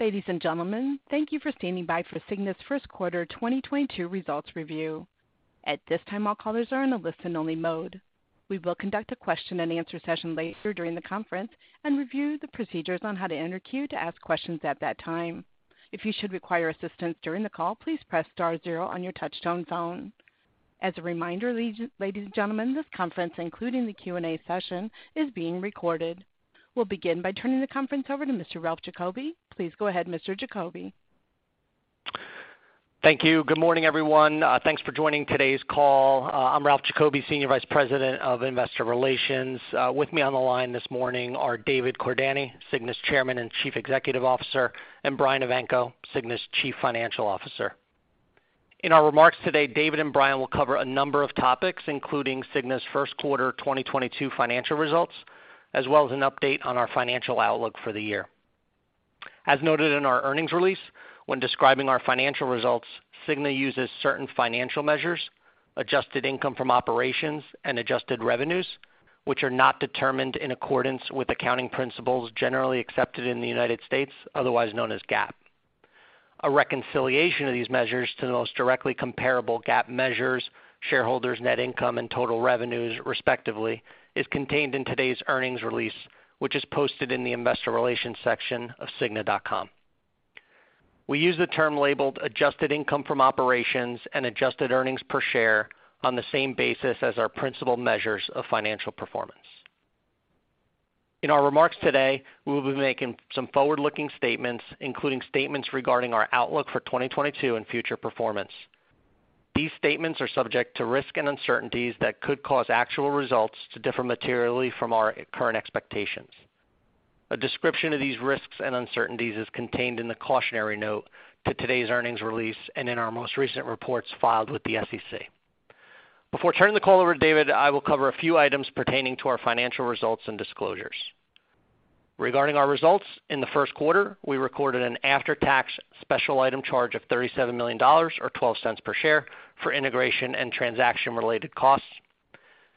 Ladies and gentlemen, thank you for standing by for Cigna's first quarter 2022 results review. At this time, all callers are in a listen-only mode. We will conduct a question and answer session later during the conference and review the procedures on how to enter queue to ask questions at that time. If you should require assistance during the call, please press star zero on your touchtone phone. As a reminder, ladies and gentlemen, this conference, including the Q&A session, is being recorded. We'll begin by turning the conference over to Mr. Ralph Giacobbe. Please go ahead, Mr. Giacobbe. Thank you. Good morning, everyone. Thanks for joining today's call. I'm Ralph Giacobbe, Senior Vice President of Investor Relations. With me on the line this morning are David Cordani, Cigna's Chairman and Chief Executive Officer, and Brian Evanko, Cigna's Chief Financial Officer. In our remarks today, David and Brian will cover a number of topics, including Cigna's first quarter 2022 financial results, as well as an update on our financial outlook for the year. As noted in our earnings release, when describing our financial results, Cigna uses certain financial measures, adjusted income from operations and adjusted revenues, which are not determined in accordance with accounting principles generally accepted in the United States, otherwise known as GAAP. A reconciliation of these measures to the most directly comparable GAAP measures, shareholders' net income and total revenues, respectively, is contained in today's earnings release, which is posted in the Investor Relations section of cigna.com. We use the term labeled adjusted income from operations and adjusted earnings per share on the same basis as our principal measures of financial performance. In our remarks today, we will be making some forward-looking statements, including statements regarding our outlook for 2022 and future performance. These statements are subject to risks and uncertainties that could cause actual results to differ materially from our current expectations. A description of these risks and uncertainties is contained in the cautionary note to today's earnings release and in our most recent reports filed with the SEC. Before turning the call over to David, I will cover a few items pertaining to our financial results and disclosures. Regarding our results, in the first quarter, we recorded an after-tax special item charge of $37 million or $0.12 per share for integration and transaction-related costs.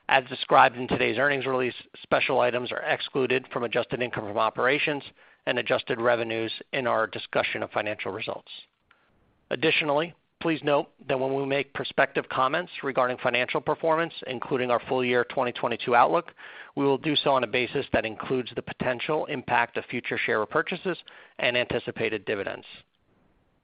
As described in today's earnings release, special items are excluded from adjusted income from operations and adjusted revenues in our discussion of financial results. Additionally, please note that when we make prospective comments regarding financial performance, including our full year 2022 outlook, we will do so on a basis that includes the potential impact of future share repurchases and anticipated dividends.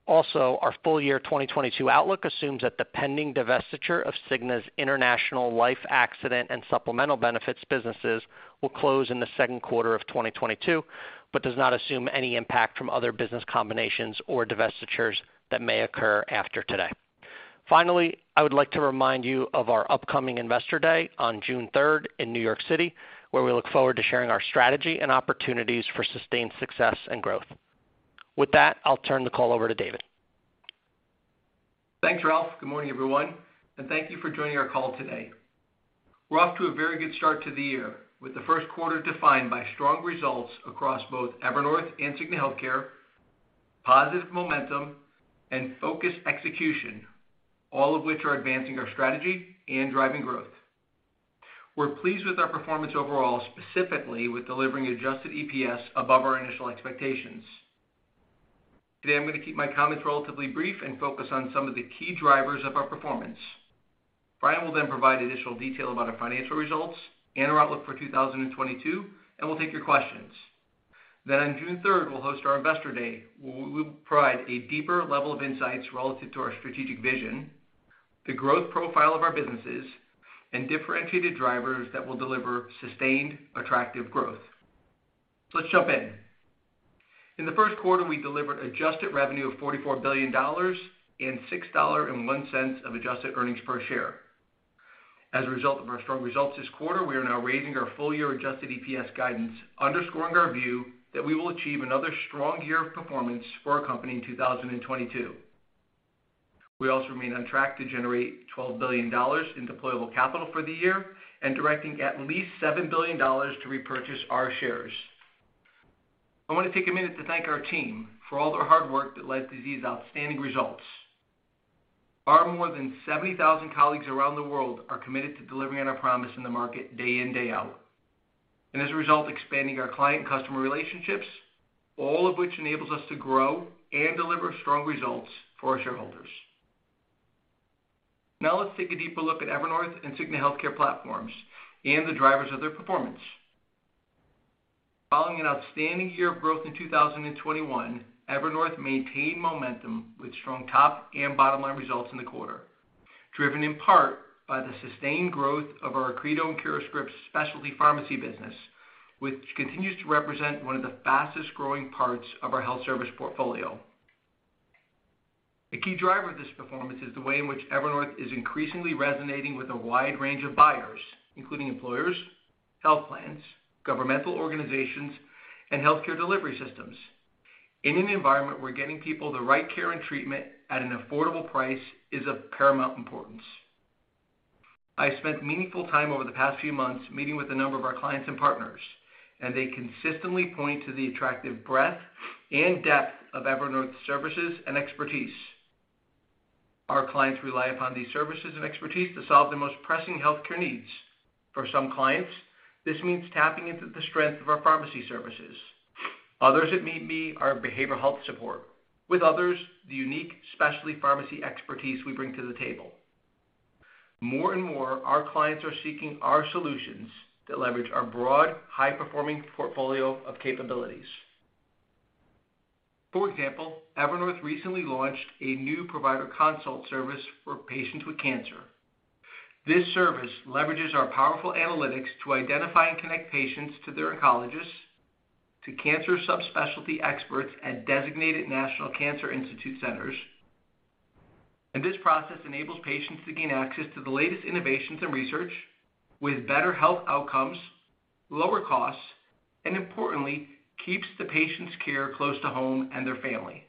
Also, our full year 2022 outlook assumes that the pending divestiture of Cigna's International Life Accident and Supplemental Benefits businesses will close in the second quarter of 2022, but does not assume any impact from other business combinations or divestitures that may occur after today. Finally, I would like to remind you of our upcoming Investor Day on June 3rd in New York City, where we look forward to sharing our strategy and opportunities for sustained success and growth. With that, I'll turn the call over to David. Thanks, Ralph. Good morning, everyone, and thank you for joining our call today. We're off to a very good start to the year, with the first quarter defined by strong results across both Evernorth and Cigna Healthcare, positive momentum and focused execution, all of which are advancing our strategy and driving growth. We're pleased with our performance overall, specifically with delivering adjusted EPS above our initial expectations. Today, I'm going to keep my comments relatively brief and focus on some of the key drivers of our performance. Brian will then provide additional detail about our financial results and our outlook for 2022, and we'll take your questions. Then on June3rd, we'll host our Investor Day, where we will provide a deeper level of insights relative to our strategic vision, the growth profile of our businesses, and differentiated drivers that will deliver sustained, attractive growth. Let's jump in. In the first quarter, we delivered adjusted revenue of $44 billion and $6.01 of adjusted earnings per share. As a result of our strong results this quarter, we are now raising our full year adjusted EPS guidance, underscoring our view that we will achieve another strong year of performance for our company in 2022. We also remain on track to generate $12 billion in deployable capital for the year and directing at least $7 billion to repurchase our shares. I want to take a minute to thank our team for all their hard work that led to these outstanding results. Our more than 70,000 colleagues around the world are committed to delivering on our promise in the market day in, day out, and as a result, expanding our client customer relationships, all of which enables us to grow and deliver strong results for our shareholders. Now, let's take a deeper look at Evernorth and Cigna Healthcare platforms and the drivers of their performance. Following an outstanding year of growth in 2021, Evernorth maintained momentum with strong top and bottom line results in the quarter, driven in part by the sustained growth of our Accredo and CuraScript specialty pharmacy business, which continues to represent one of the fastest-growing parts of our health service portfolio. A key driver of this performance is the way in which Evernorth is increasingly resonating with a wide range of buyers, including employers, health plans, governmental organizations, and healthcare delivery systems in an environment where getting people the right care and treatment at an affordable price is of paramount importance. I spent meaningful time over the past few months meeting with a number of our clients and partners, and they consistently point to the attractive breadth and depth of Evernorth services and expertise. Our clients rely upon these services and expertise to solve the most pressing healthcare needs. For some clients, this means tapping into the strength of our pharmacy services. Others, it may be our behavioral health support. With others, the unique specialty pharmacy expertise we bring to the table. More and more, our clients are seeking our solutions that leverage our broad high-performing portfolio of capabilities. For example, Evernorth recently launched a new provider consult service for patients with cancer. This service leverages our powerful analytics to identify and connect patients to their oncologists, to cancer subspecialty experts at designated National Cancer Institute centers, and this process enables patients to gain access to the latest innovations in research with better health outcomes, lower costs, and importantly, keeps the patient's care close to home and their family.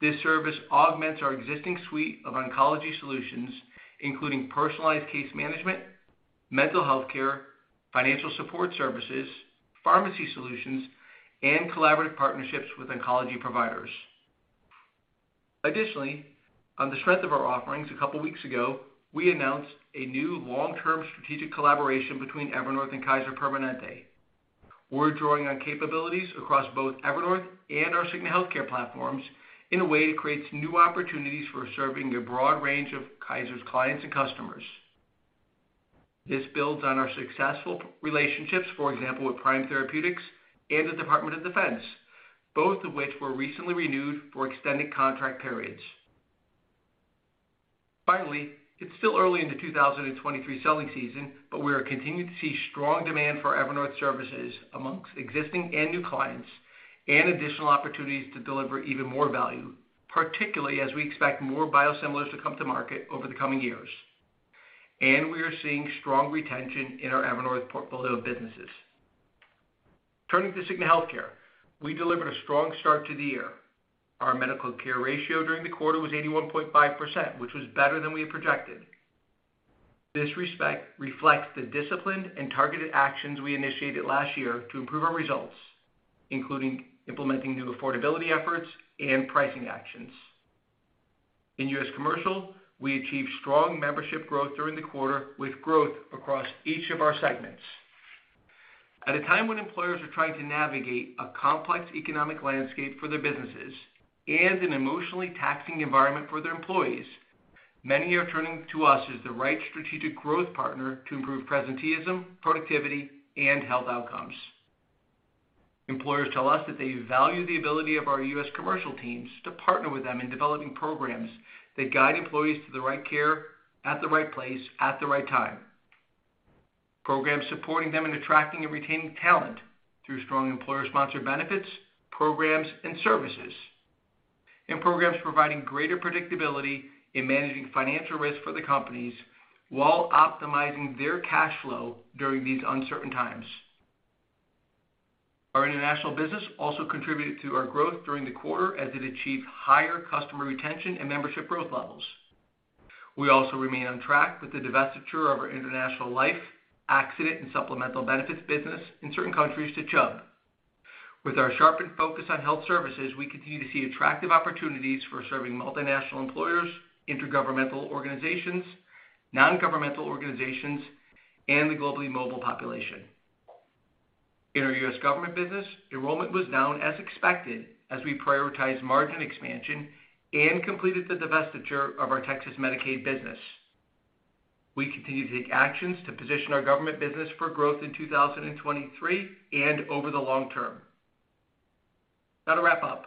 This service augments our existing suite of oncology solutions, including personalized case management, mental health care, financial support services, pharmacy solutions, and collaborative partnerships with oncology providers. Additionally, on the strength of our offerings, a couple weeks ago, we announced a new long-term strategic collaboration between Evernorth and Kaiser Permanente. We're drawing on capabilities across both Evernorth and our Cigna Healthcare platforms in a way that creates new opportunities for serving a broad range of Kaiser's clients and customers. This builds on our successful relationships, for example, with Prime Therapeutics and the Department of Defense, both of which were recently renewed for extended contract periods. Finally, it's still early in the 2023 selling season, but we are continuing to see strong demand for Evernorth services among existing and new clients, and additional opportunities to deliver even more value, particularly as we expect more biosimilars to come to market over the coming years. We are seeing strong retention in our Evernorth portfolio of businesses. Turning to Cigna Healthcare, we delivered a strong start to the year. Our medical care ratio during the quarter was 81.5%, which was better than we had projected. This reflects the disciplined and targeted actions we initiated last year to improve our results, including implementing new affordability efforts and pricing actions. In U.S. commercial, we achieved strong membership growth during the quarter, with growth across each of our segments. At a time when employers are trying to navigate a complex economic landscape for their businesses and an emotionally taxing environment for their employees, many are turning to us as the right strategic growth partner to improve presenteeism, productivity, and health outcomes. Employers tell us that they value the ability of our U.S. Commercial teams to partner with them in developing programs that guide employees to the right care at the right place at the right time. Programs supporting them in attracting and retaining talent through strong employer-sponsored benefits, programs and services, and programs providing greater predictability in managing financial risk for the companies while optimizing their cash flow during these uncertain times. Our international business also contributed to our growth during the quarter as it achieved higher customer retention and membership growth levels. We also remain on track with the divestiture of our international life accident and supplemental benefits business in certain countries to Chubb. With our sharpened focus on health services, we continue to see attractive opportunities for serving multinational employers, intergovernmental organizations, nongovernmental organizations, and the globally mobile population. In our U.S. government business, enrollment was down as expected as we prioritized margin expansion and completed the divestiture of our Texas Medicaid business. We continue to take actions to position our government business for growth in 2023 and over the long-term. Now to wrap up,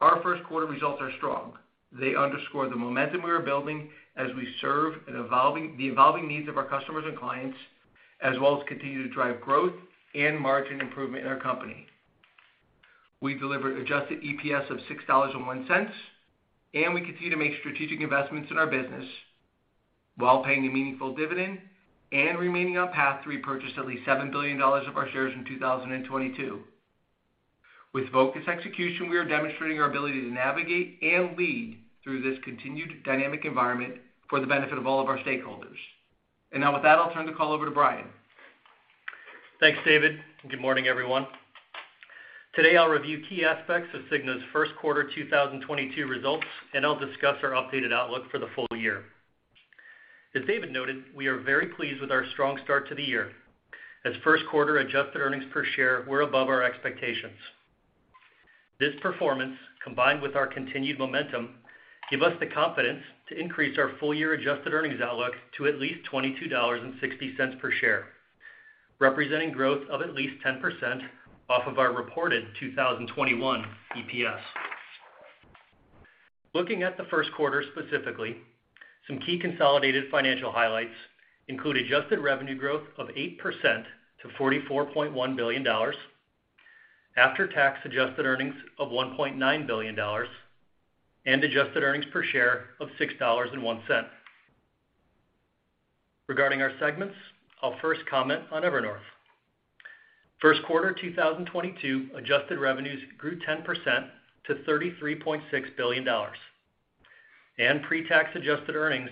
our first quarter results are strong. They underscore the momentum we are building as we serve the evolving needs of our customers and clients, as well as continue to drive growth and margin improvement in our company. We delivered adjusted EPS of $6.01, and we continue to make strategic investments in our business while paying a meaningful dividend and remaining on track to repurchase at least $7 billion of our shares in 2022. With focused execution, we are demonstrating our ability to navigate and lead through this continued dynamic environment for the benefit of all of our stakeholders. Now with that, I'll turn the call over to Brian. Thanks, David, and good morning, everyone. Today, I'll review key aspects of Cigna's first quarter 2022 results, and I'll discuss our updated outlook for the full year. As David noted, we are very pleased with our strong start to the year, as first quarter adjusted earnings per share were above our expectations. This performance, combined with our continued momentum, give us the confidence to increase our full year adjusted earnings outlook to at least $22.60 per share, representing growth of at least 10% off of our reported 2021 EPS. Looking at the first quarter specifically, some key consolidated financial highlights include adjusted revenue growth of 8% to $44.1 billion, after-tax adjusted earnings of $1.9 billion, and adjusted earnings per share of $6.01. Regarding our segments, I'll first comment on Evernorth. First quarter 2022 adjusted revenues grew 10% to $33.6 billion, and pre-tax adjusted earnings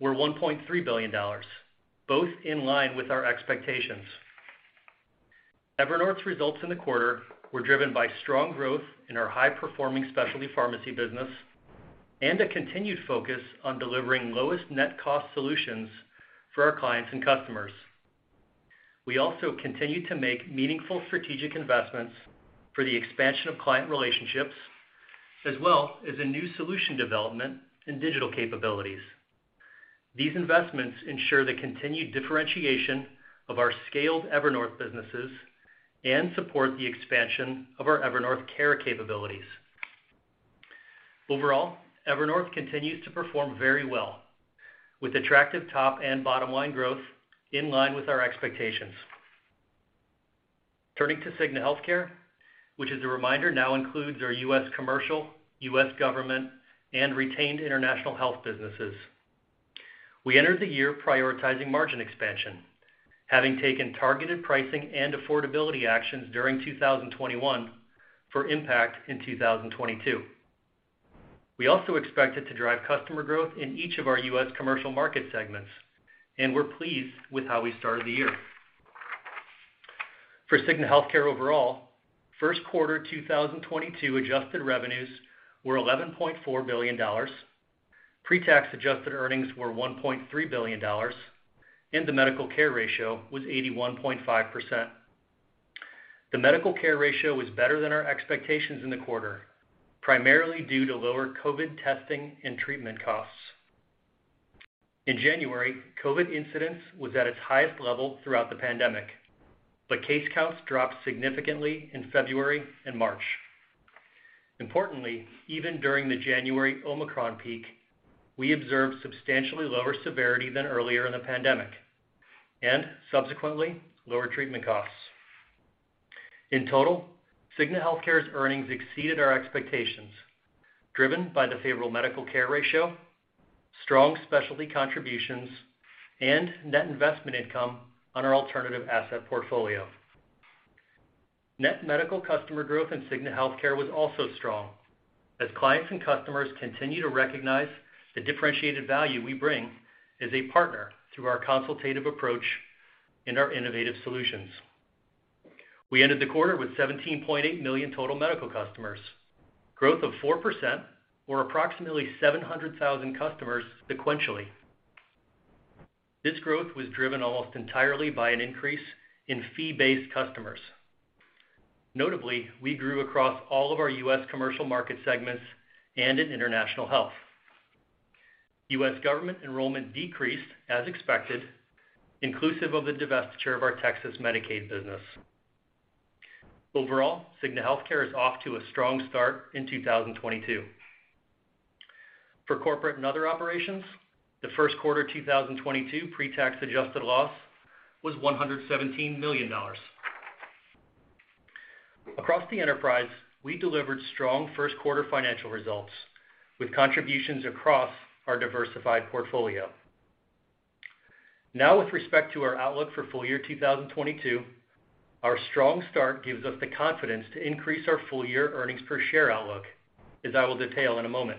were $1.3 billion, both in line with our expectations. Evernorth's results in the quarter were driven by strong growth in our high-performing specialty pharmacy business and a continued focus on delivering lowest net cost solutions for our clients and customers. We also continue to make meaningful strategic investments for the expansion of client relationships, as well as in new solution development and digital capabilities. These investments ensure the continued differentiation of our scaled Evernorth businesses and support the expansion of our Evernorth Care capabilities. Overall, Evernorth continues to perform very well with attractive top and bottom-line growth in line with our expectations. Turning to Cigna Healthcare, which as a reminder now includes our U.S. commercial, U.S. government, and retained international health businesses. We entered the year prioritizing margin expansion, having taken targeted pricing and affordability actions during 2021 for impact in 2022. We also expected to drive customer growth in each of our U.S. commercial market segments, and we're pleased with how we started the year. For Cigna Healthcare overall, first quarter 2022 adjusted revenues were $11.4 billion. Pre-tax adjusted earnings were $1.3 billion, and the medical care ratio was 81.5%. The medical care ratio was better than our expectations in the quarter, primarily due to lower COVID testing and treatment costs. In January, COVID incidence was at its highest level throughout the pandemic, but case counts dropped significantly in February and March. Importantly, even during the January Omicron peak, we observed substantially lower severity than earlier in the pandemic and subsequently lower treatment costs. In total, Cigna Healthcare's earnings exceeded our expectations, driven by the favorable medical care ratio, strong specialty contributions, and net investment income on our alternative asset portfolio. Net medical customer growth in Cigna Healthcare was also strong as clients and customers continue to recognize the differentiated value we bring as a partner through our consultative approach and our innovative solutions. We ended the quarter with 17.8 million total medical customers, growth of 4% or approximately 700,000 customers sequentially. This growth was driven almost entirely by an increase in fee-based customers. Notably, we grew across all of our U.S. commercial market segments and in international health. U.S. government enrollment decreased as expected, inclusive of the divestiture of our Texas Medicaid business. Overall, Cigna Healthcare is off to a strong start in 2022. For corporate and other operations, the first quarter 2022 pre-tax adjusted loss was $117 million. Across the enterprise, we delivered strong first quarter financial results with contributions across our diversified portfolio. Now with respect to our outlook for full year 2022, our strong start gives us the confidence to increase our full year earnings per share outlook, as I will detail in a moment.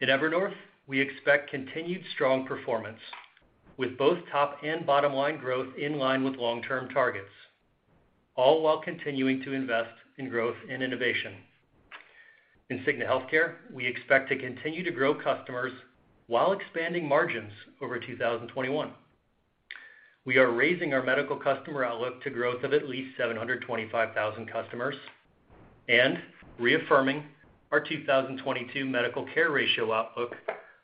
At Evernorth, we expect continued strong performance with both top and bottom-line growth in line with long-term targets, all while continuing to invest in growth and innovation. In Cigna Healthcare, we expect to continue to grow customers while expanding margins over 2021. We are raising our medical customer outlook to growth of at least 725,000 customers and reaffirming our 2022 medical care ratio outlook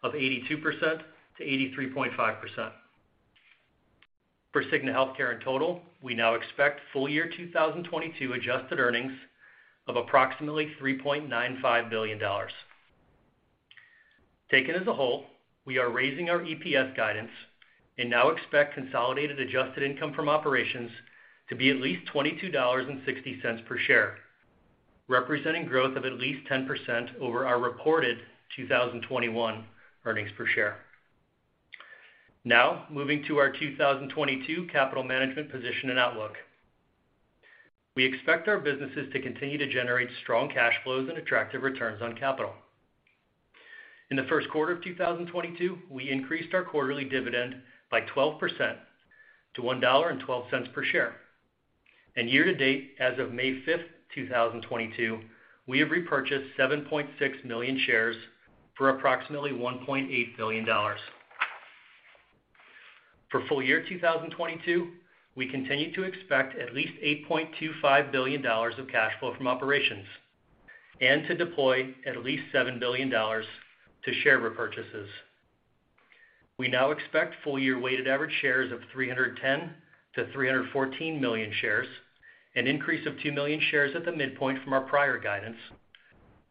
of 82%-83.5%. For Cigna Healthcare in total, we now expect full year 2022 adjusted earnings of approximately $3.95 billion. Taken as a whole, we are raising our EPS guidance and now expect consolidated adjusted income from operations to be at least $22.60 per share, representing growth of at least 10% over our reported 2021 earnings per share. Now moving to our 2022 capital management position and outlook. We expect our businesses to continue to generate strong cash flows and attractive returns on capital. In the first quarter of 2022, we increased our quarterly dividend by 12% to $1.12 per share. Year to date, as of May 5, 2022, we have repurchased 7.6 million shares for approximately $1.8 billion. For full year 2022, we continue to expect at least $8.25 billion of cash flow from operations, and to deploy at least $7 billion to share repurchases. We now expect full year weighted average shares of 310 million-314 million shares, an increase of 2 million shares at the midpoint from our prior guidance,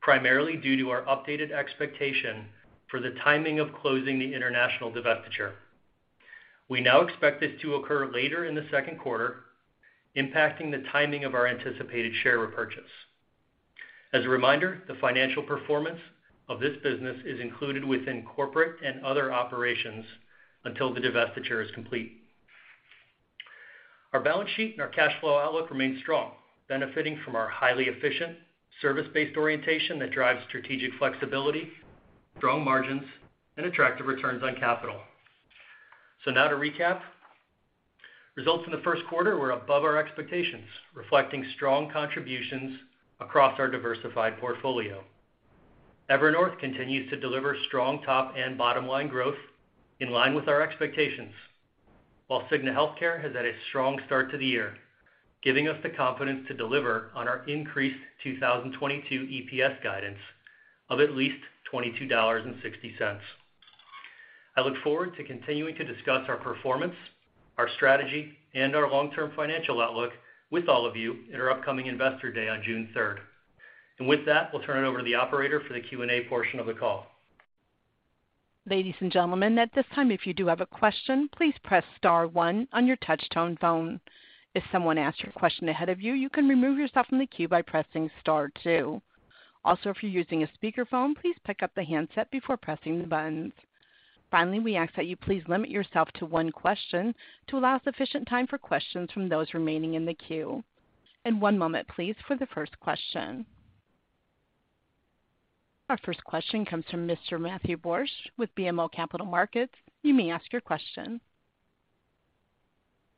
primarily due to our updated expectation for the timing of closing the international divestiture. We now expect this to occur later in the second quarter, impacting the timing of our anticipated share repurchase. As a reminder, the financial performance of this business is included within corporate and other operations until the divestiture is complete. Our balance sheet and our cash flow outlook remains strong, benefiting from our highly efficient service-based orientation that drives strategic flexibility. Strong margins and attractive returns on capital. Now to recap, results in the first quarter were above our expectations, reflecting strong contributions across our diversified portfolio. Evernorth continues to deliver strong top and bottom line growth in line with our expectations. While Cigna Healthcare has had a strong start to the year, giving us the confidence to deliver on our increased 2022 EPS guidance of at least $22.60. I look forward to continuing to discuss our performance, our strategy, and our long-term financial outlook with all of you in our upcoming Investor Day on June 3rd. With that, we'll turn it over to the operator for the Q&A portion of the call. Ladies and gentlemen, at this time, if you do have a question, please press star one on your touch-tone phone. If someone asks your question ahead of you can remove yourself from the queue by pressing star two. Also, if you're using a speakerphone, please pick up the handset before pressing the buttons. Finally, we ask that you please limit yourself to one question to allow sufficient time for questions from those remaining in the queue. One moment, please, for the first question. Our first question comes from Mr. Matthew Borsch with BMO Capital Markets. You may ask your question.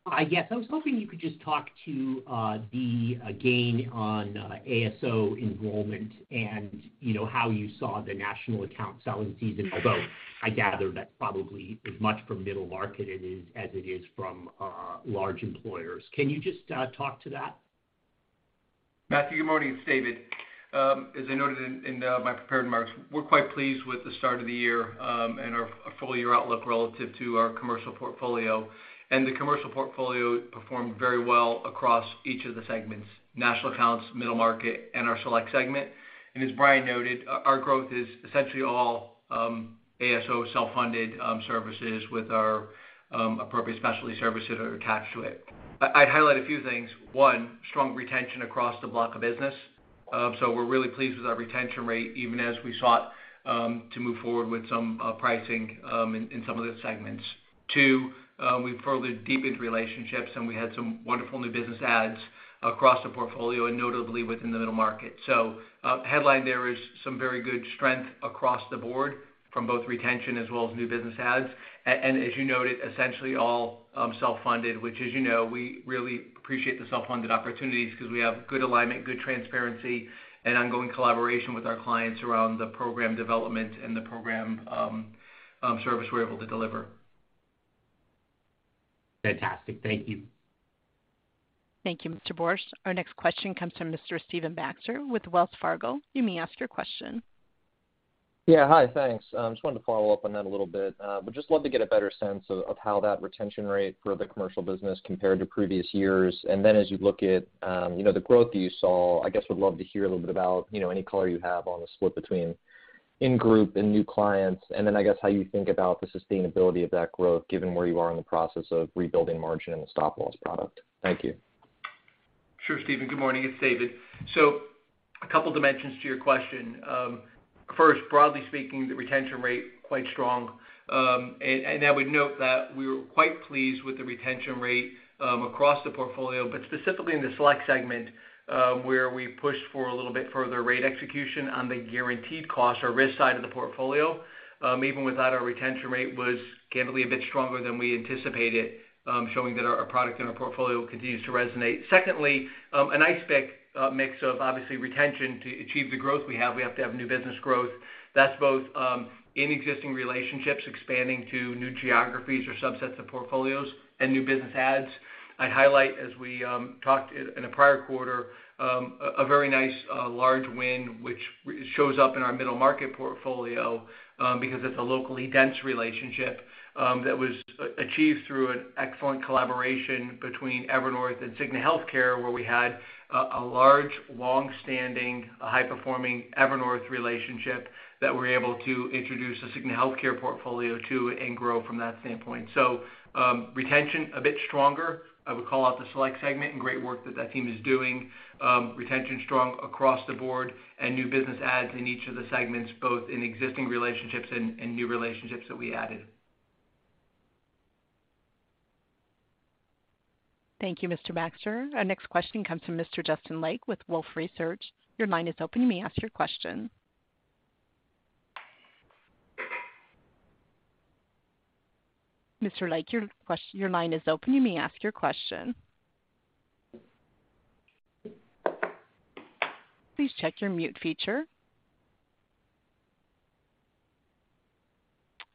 Hi. Yes, I was hoping you could just talk to the gain on ASO enrollment and, you know, how you saw the national account selling season, although I gather that probably is much from middle market as it is from large employers. Can you just talk to that? Matthew, good morning. It's David. As I noted in my prepared remarks, we're quite pleased with the start of the year and our full year outlook relative to our commercial portfolio. The commercial portfolio performed very well across each of the segments, national accounts, middle market, and our select segment. As Brian noted, our growth is essentially all ASO self-funded services with our appropriate specialty services that are attached to it. I'd highlight a few things. One, strong retention across the block of business. We're really pleased with our retention rate, even as we sought to move forward with some pricing in some of the segments. Two, we further deepened relationships, and we had some wonderful new business adds across the portfolio and notably within the middle market. Headline, there is some very good strength across the board from both retention as well as new business adds. As you noted, essentially all self-funded, which, as you know, we really appreciate the self-funded opportunities because we have good alignment, good transparency, and ongoing collaboration with our clients around the program development and the program service we're able to deliver. Fantastic. Thank you. Thank you, Mr. Borsch. Our next question comes from Mr. Stephen Baxter with Wells Fargo. You may ask your question. Yeah. Hi. Thanks. I just wanted to follow up on that a little bit. I would just love to get a better sense of how that retention rate for the commercial business compared to previous years. Then as you look at, you know, the growth that you saw, I guess would love to hear a little bit about, you know, any color you have on the split between in group and new clients, and then I guess how you think about the sustainability of that growth, given where you are in the process of rebuilding margin in the stop loss product. Thank you. Sure, Stephen. Good morning. It's David. A couple dimensions to your question. First, broadly speaking, the retention rate quite strong. I would note that we were quite pleased with the retention rate across the portfolio, but specifically in the select segment, where we pushed for a little bit further rate execution on the guaranteed cost or risk side of the portfolio. Even with our retention rate was candidly a bit stronger than we anticipated, showing that our product and our portfolio continues to resonate. Secondly, a nice mix of obviously retention to achieve the growth we have to have new business growth. That's both in existing relationships, expanding to new geographies or subsets of portfolios and new business adds. I'd highlight as we talked in the prior quarter, a very nice, large win, which shows up in our middle market portfolio, because it's a locally dense relationship, that was achieved through an excellent collaboration between Evernorth and Cigna Healthcare, where we had a large, long-standing, high-performing Evernorth relationship that we're able to introduce a Cigna Healthcare portfolio to and grow from that standpoint. Retention a bit stronger. I would call out the select segment and great work that team is doing. Retention strong across the board and new business ads in each of the segments, both in existing relationships and new relationships that we added. Thank you, Mr. Baxter. Our next question comes from Mr. Justin Lake with Wolfe Research. Your line is open. You may ask your question. Mr. Lake, your line is open. You may ask your question. Please check your mute feature.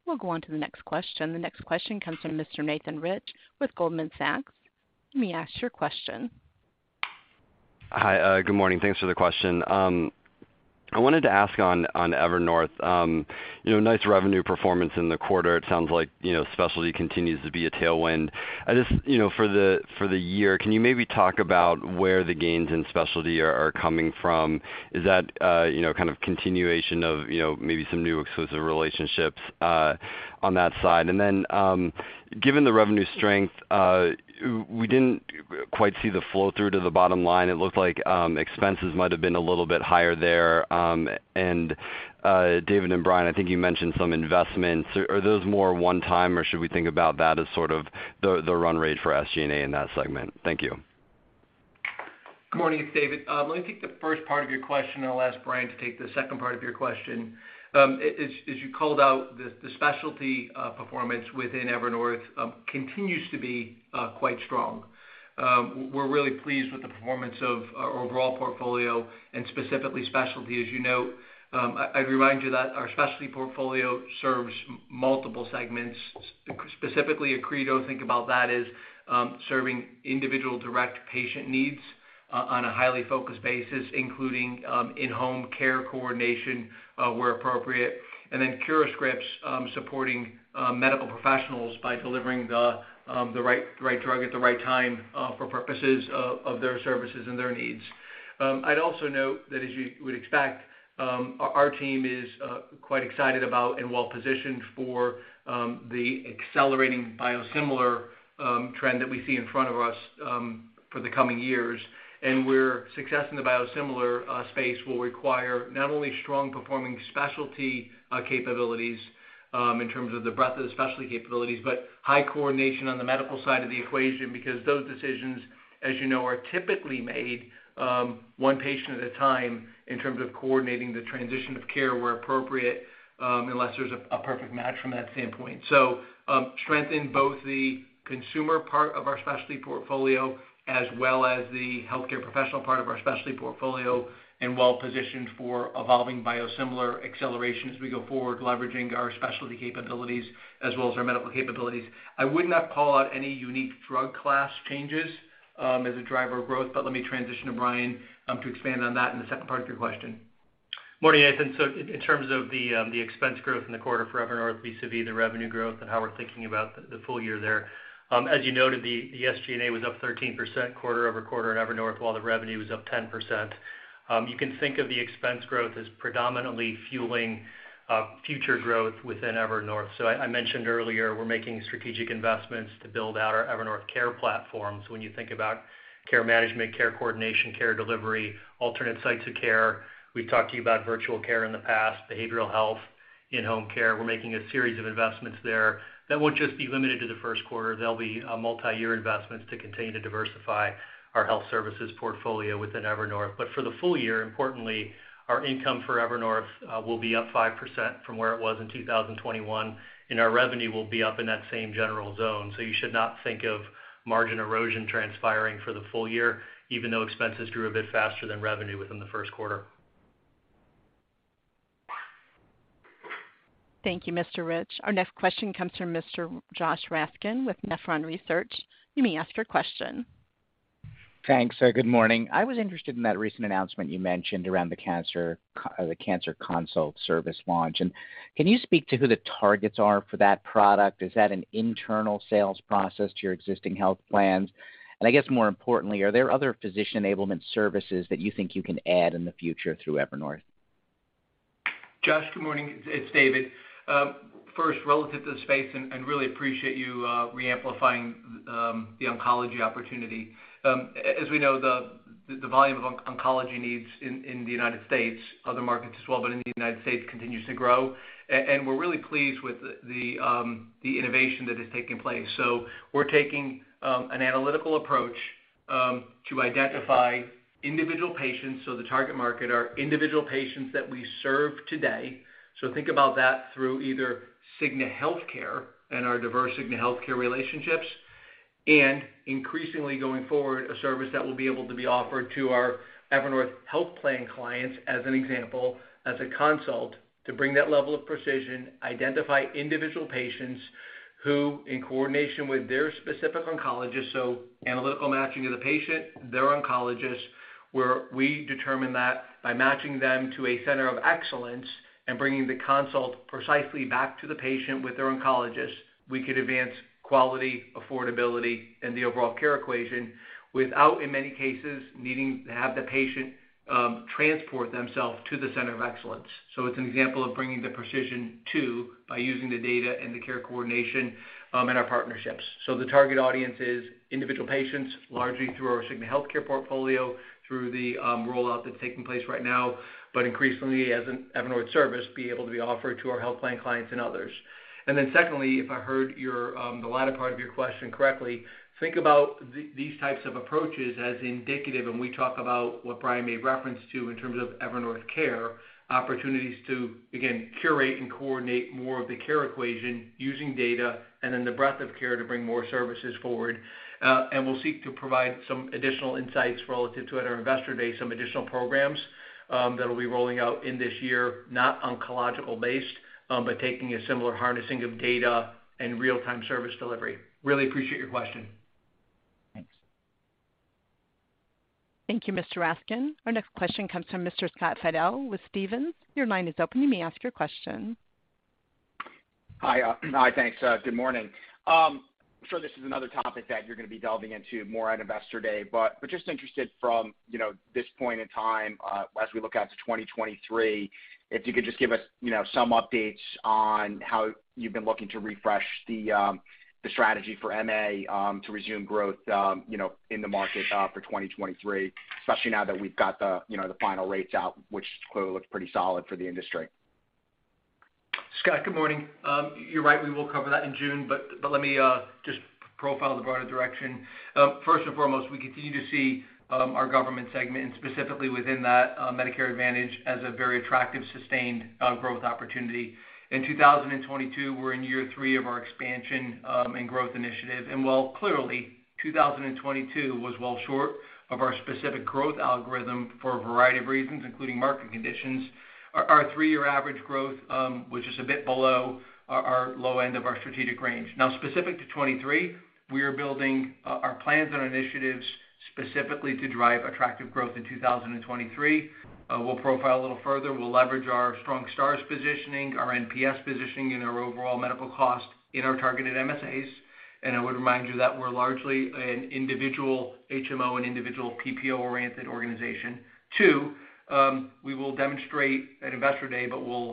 We'll go on to the next question. The next question comes from Mr. Nathan Rich with Goldman Sachs. You may ask your question. Hi. Good morning. Thanks for the question. I wanted to ask on Evernorth, you know, nice revenue performance in the quarter. It sounds like, you know, specialty continues to be a tailwind. I just, you know, for the year, can you maybe talk about where the gains in specialty are coming from? Is that, you know, kind of continuation of, you know, maybe some new exclusive relationships, on that side? And then, given the revenue strength, we didn't quite see the flow through to the bottom line. It looked like, expenses might have been a little bit higher there. And, David and Brian, I think you mentioned some investments. Are those more one time, or should we think about that as sort of the run-rate for SG&A in that segment? Thank you. Good morning, it's David. Let me take the first part of your question, and I'll ask Brian to take the second part of your question. As you called out, the specialty performance within Evernorth continues to be quite strong. We're really pleased with the performance of our overall portfolio and specifically specialty. As you know, I remind you that our specialty portfolio serves multiple segments, specifically Accredo, think about that as serving individual direct patient needs on a highly focused basis, including in-home care coordination, where appropriate, and then CuraScript, supporting medical professionals by delivering the right drug at the right time, for purposes of their services and their needs. I'd also note that as you would expect, our team is quite excited about and well-positioned for the accelerating biosimilar trend that we see in front of us for the coming years. Where success in the biosimilar space will require not only strong performing specialty capabilities in terms of the breadth of the specialty capabilities, but high coordination on the medical side of the equation because those decisions, as you know, are typically made one patient at a time in terms of coordinating the transition of care where appropriate, unless there's a perfect match from that standpoint. Strength in both the consumer part of our specialty portfolio as well as the healthcare professional part of our specialty portfolio and well-positioned for evolving biosimilars acceleration as we go forward, leveraging our specialty capabilities as well as our medical capabilities. I would not call out any unique drug class changes, as a driver of growth, but let me transition to Brian, to expand on that in the second part of your question. Morning, Nathan. In terms of the expense growth in the quarter for Evernorth vis-à-vis the revenue growth and how we're thinking about the full year there. As you noted, the SG&A was up 13% quarter-over-quarter at Evernorth while the revenue was up 10%. You can think of the expense growth as predominantly fueling future growth within Evernorth. I mentioned earlier, we're making strategic investments to build out our Evernorth care platforms. When you think about care management, care coordination, care delivery, alternate sites of care, we've talked to you about virtual care in the past, behavioral health, in-home care. We're making a series of investments there that won't just be limited to the first quarter. They'll be multi-year investments to continue to diversify our health services portfolio within Evernorth. For the full year, importantly, our income for Evernorth will be up 5% from where it was in 2021, and our revenue will be up in that same general zone. You should not think of margin erosion transpiring for the full year, even though expenses grew a bit faster than revenue within the first quarter. Thank you, Mr. Rich. Our next question comes from Mr. Josh Raskin with Nephron Research. You may ask your question. Thanks. Good morning. I was interested in that recent announcement you mentioned around the cancer consult service launch. Can you speak to who the targets are for that product? Is that an internal sales process to your existing health plans? I guess more importantly, are there other physician enablement services that you think you can add in the future through Evernorth? Josh, good morning. It's David. First, relative to the space, really appreciate you re-amplifying the oncology opportunity. As we know, the volume of oncology needs in the United States, other markets as well, but in the United States continues to grow. We're really pleased with the innovation that is taking place. We're taking an analytical approach to identify individual patients, so the target market are individual patients that we serve today. Think about that through either Cigna Healthcare and our diverse Cigna Healthcare relationships, and increasingly going forward, a service that will be able to be offered to our Evernorth health plan clients, as an example, as a consult to bring that level of precision, identify individual patients who, in coordination with their specific oncologist, so analytical matching of the patient, their oncologist, where we determine that by matching them to a center of excellence and bringing the consult precisely back to the patient with their oncologist, we could advance quality, affordability, and the overall care equation without, in many cases, needing to have the patient, transport themselves to the center of excellence. It's an example of bringing the precision to by using the data and the care coordination, and our partnerships. The target audience is individual patients, largely through our Cigna Healthcare portfolio, through the rollout that's taking place right now, but increasingly as an Evernorth service, be able to be offered to our health plan clients and others. Then secondly, if I heard your the latter part of your question correctly, think about these types of approaches as indicative, and we talk about what Brian made reference to in terms of Evernorth Care, opportunities to, again, curate and coordinate more of the care equation using data and then the breadth of care to bring more services forward. We'll seek to provide some additional insights relative to at our investor day, some additional programs that'll be rolling out in this year, not oncological based, but taking a similar harnessing of data and real-time service delivery. Really appreciate your question. Thanks. Thank you, Mr. Raskin. Our next question comes from Mr. Scott Fidel with Stephens. Your line is open. You may ask your question. Good morning. I'm sure this is another topic that you're gonna be delving into more at Investor Day, but just interested from, you know, this point in time, as we look out to 2023, if you could just give us, you know, some updates on how you've been looking to refresh the strategy for MA to resume growth, you know, in the market for 2023, especially now that we've got the, you know, the final rates out, which clearly looks pretty solid for the industry. Scott, good morning. You're right, we will cover that in June, but let me just profile the broader direction. First and foremost, we continue to see our government segment, and specifically within that, Medicare Advantage as a very attractive sustained growth opportunity. In 2022, we're in year three of our expansion and growth initiative. While clearly, 2022 was well short of our specific growth algorithm for a variety of reasons, including market conditions, our three-year average growth, which is a bit below our low end of our strategic range. Now, specific to 2023, we are building our plans and initiatives specifically to drive attractive growth in 2023. We'll profile a little further. We'll leverage our strong stars positioning, our NPS positioning, and our overall medical cost in our targeted MSAs. I would remind you that we're largely an individual HMO and individual PPO-oriented organization. Two, we will demonstrate at Investor Day,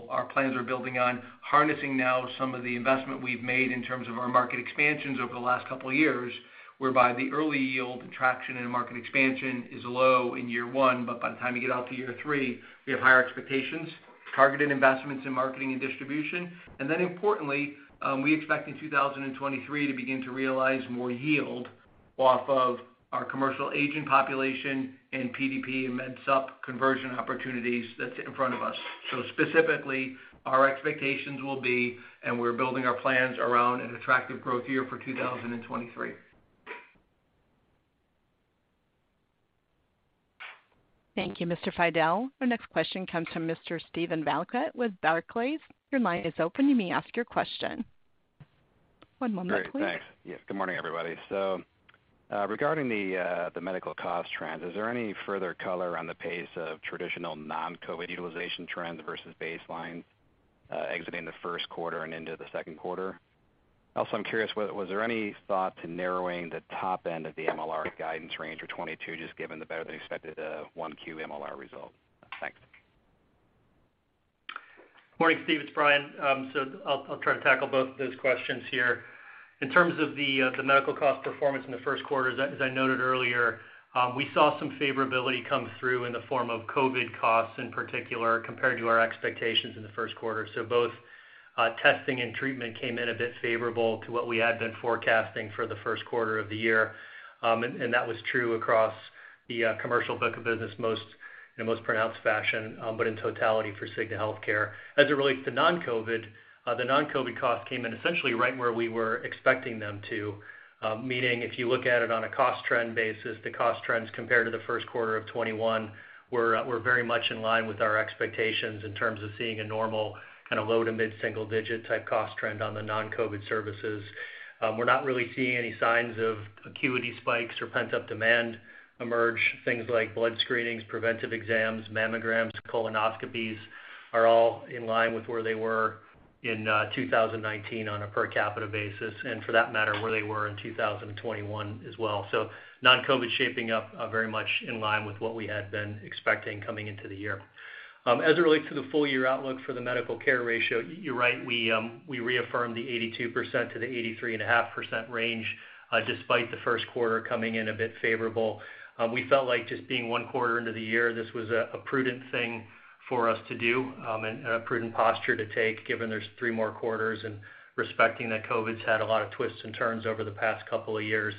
our plans are building on harnessing now some of the investment we've made in terms of our market expansions over the last couple of years, whereby the early yield and traction in a market expansion is low in year one, but by the time you get out to year three, we have higher expectations, targeted investments in marketing and distribution. Importantly, we expect in 2023 to begin to realize more yield off of our commercial aging population in PDP and Med Supp conversion opportunities that's in front of us. Specifically, our expectations will be, and we're building our plans around an attractive growth year for 2023. Thank you, Mr. Fidel. Our next question comes from Mr. Steven Valiquette with Barclays. Your line is open. You may ask your question. One moment, please. Great. Thanks. Yes, good morning, everybody. Regarding the medical cost trends, is there any further color on the pace of traditional non-COVID utilization trends versus baseline, exiting the first quarter and into the second quarter? Also, I'm curious, was there any thought to narrowing the top end of the MLR guidance range for 2022, just given the better than expected 1Q MLR result? Thanks. Morning, Steven. It's Brian. I'll try to tackle both of those questions here. In terms of the medical cost performance in the first quarter, as I noted earlier, we saw some favorability come through in the form of COVID costs in particular, compared to our expectations in the first quarter. Both testing and treatment came in a bit favorable to what we had been forecasting for the first quarter of the year. That was true across the commercial book of business most in a most pronounced fashion, but in totality for Cigna Healthcare. As it relates to non-COVID, the non-COVID costs came in essentially right where we were expecting them to. Meaning if you look at it on a cost trend basis, the cost trends compared to the first quarter of 2021 were very much in line with our expectations in terms of seeing a normal kind of low- to mid-single-digit type cost trend on the non-COVID services. We're not really seeing any signs of acuity spikes or pent-up demand emerge. Things like blood screenings, preventive exams, mammograms, colonoscopies are all in line with where they were in 2019 on a per capita basis, and for that matter, where they were in 2021 as well. Non-COVID shaping up very much in line with what we had been expecting coming into the year. As it relates to the full year outlook for the medical care ratio, you're right, we reaffirmed the 82%-83.5% range, despite the first quarter coming in a bit favorable. We felt like just being one quarter into the year, this was a prudent thing for us to do, and a prudent posture to take given there's three more quarters and respecting that COVID's had a lot of twists and turns over the past couple of years.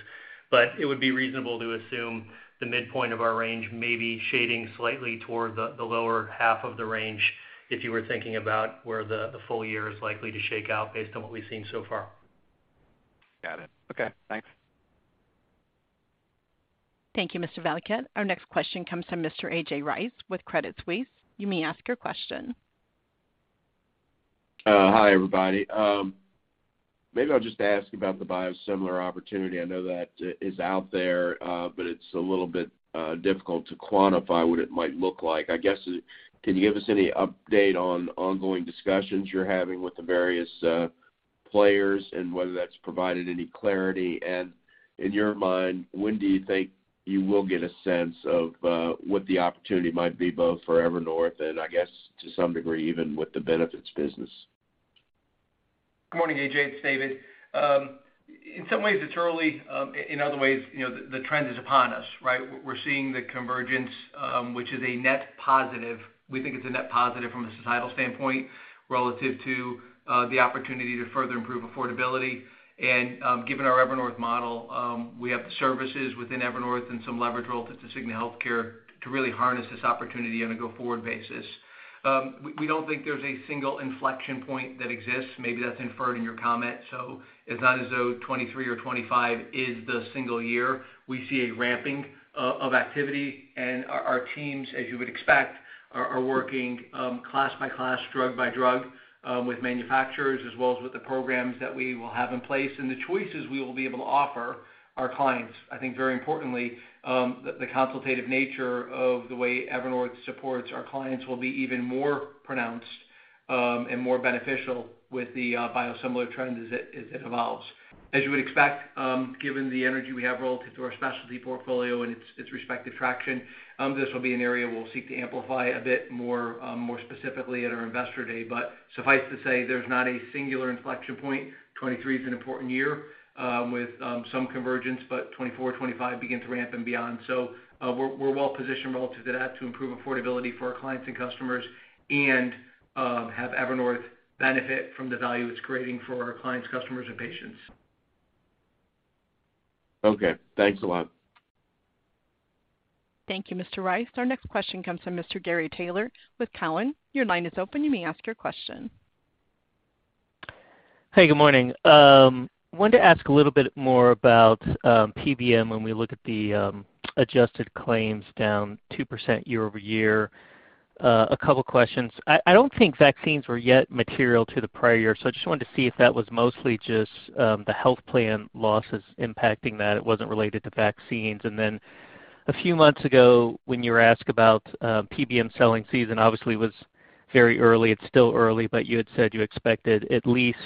It would be reasonable to assume the midpoint of our range may be shading slightly toward the lower half of the range if you were thinking about where the full year is likely to shake out based on what we've seen so far. Got it. Okay. Thanks. Thank you, Mr. Valiquette. Our next question comes from Mr. A.J. Rice with Credit Suisse. You may ask your question. Hi, everybody. Maybe I'll just ask about the biosimilar opportunity. I know that it's out there, but it's a little bit difficult to quantify what it might look like. I guess, can you give us any update on ongoing discussions you're having with the various players and whether that's provided any clarity? In your mind, when do you think you will get a sense of what the opportunity might be both for Evernorth and I guess to some degree, even with the benefits business? Good morning, A.J. It's David. In some ways it's early, in other ways, you know, the trend is upon us, right? We're seeing the convergence, which is a net positive. We think it's a net positive from a societal standpoint relative to the opportunity to further improve affordability. Given our Evernorth model, we have the services within Evernorth and some leverage relative to Cigna Healthcare to really harness this opportunity on a go-forward basis. We don't think there's a single inflection point that exists. Maybe that's inferred in your comment. It's not as though 2023 or 2025 is the single year. We see a ramping of activity and our teams, as you would expect, are working class by class, drug by drug, with manufacturers as well as with the programs that we will have in place, and the choices we will be able to offer our clients. I think very importantly, the consultative nature of the way Evernorth supports our clients will be even more pronounced, and more beneficial with the biosimilar trend as it evolves. As you would expect, given the energy we have relative to our specialty portfolio and its respective traction, this will be an area we'll seek to amplify a bit more, more specifically at our Investor Day. Suffice to say, there's not a singular inflection point. 2023 is an important year, with some convergence, but 2024-2025 begin to ramp and beyond. We're well positioned relative to that to improve affordability for our clients and customers and, have Evernorth benefit from the value it's creating for our clients, customers, and patients. Okay. Thanks a lot. Thank you, Mr. Rice. Our next question comes from Mr. Gary Taylor with Cowen. Your line is open. You may ask your question. Hey, good morning. Wanted to ask a little bit more about PBM when we look at the adjusted claims down 2% year-over-year. A couple questions. I don't think vaccines were yet material to the prior year, so I just wanted to see if that was mostly just the health plan losses impacting that. It wasn't related to vaccines. Then a few months ago, when you were asked about PBM selling season, obviously was very early. It's still early, but you had said you expected at least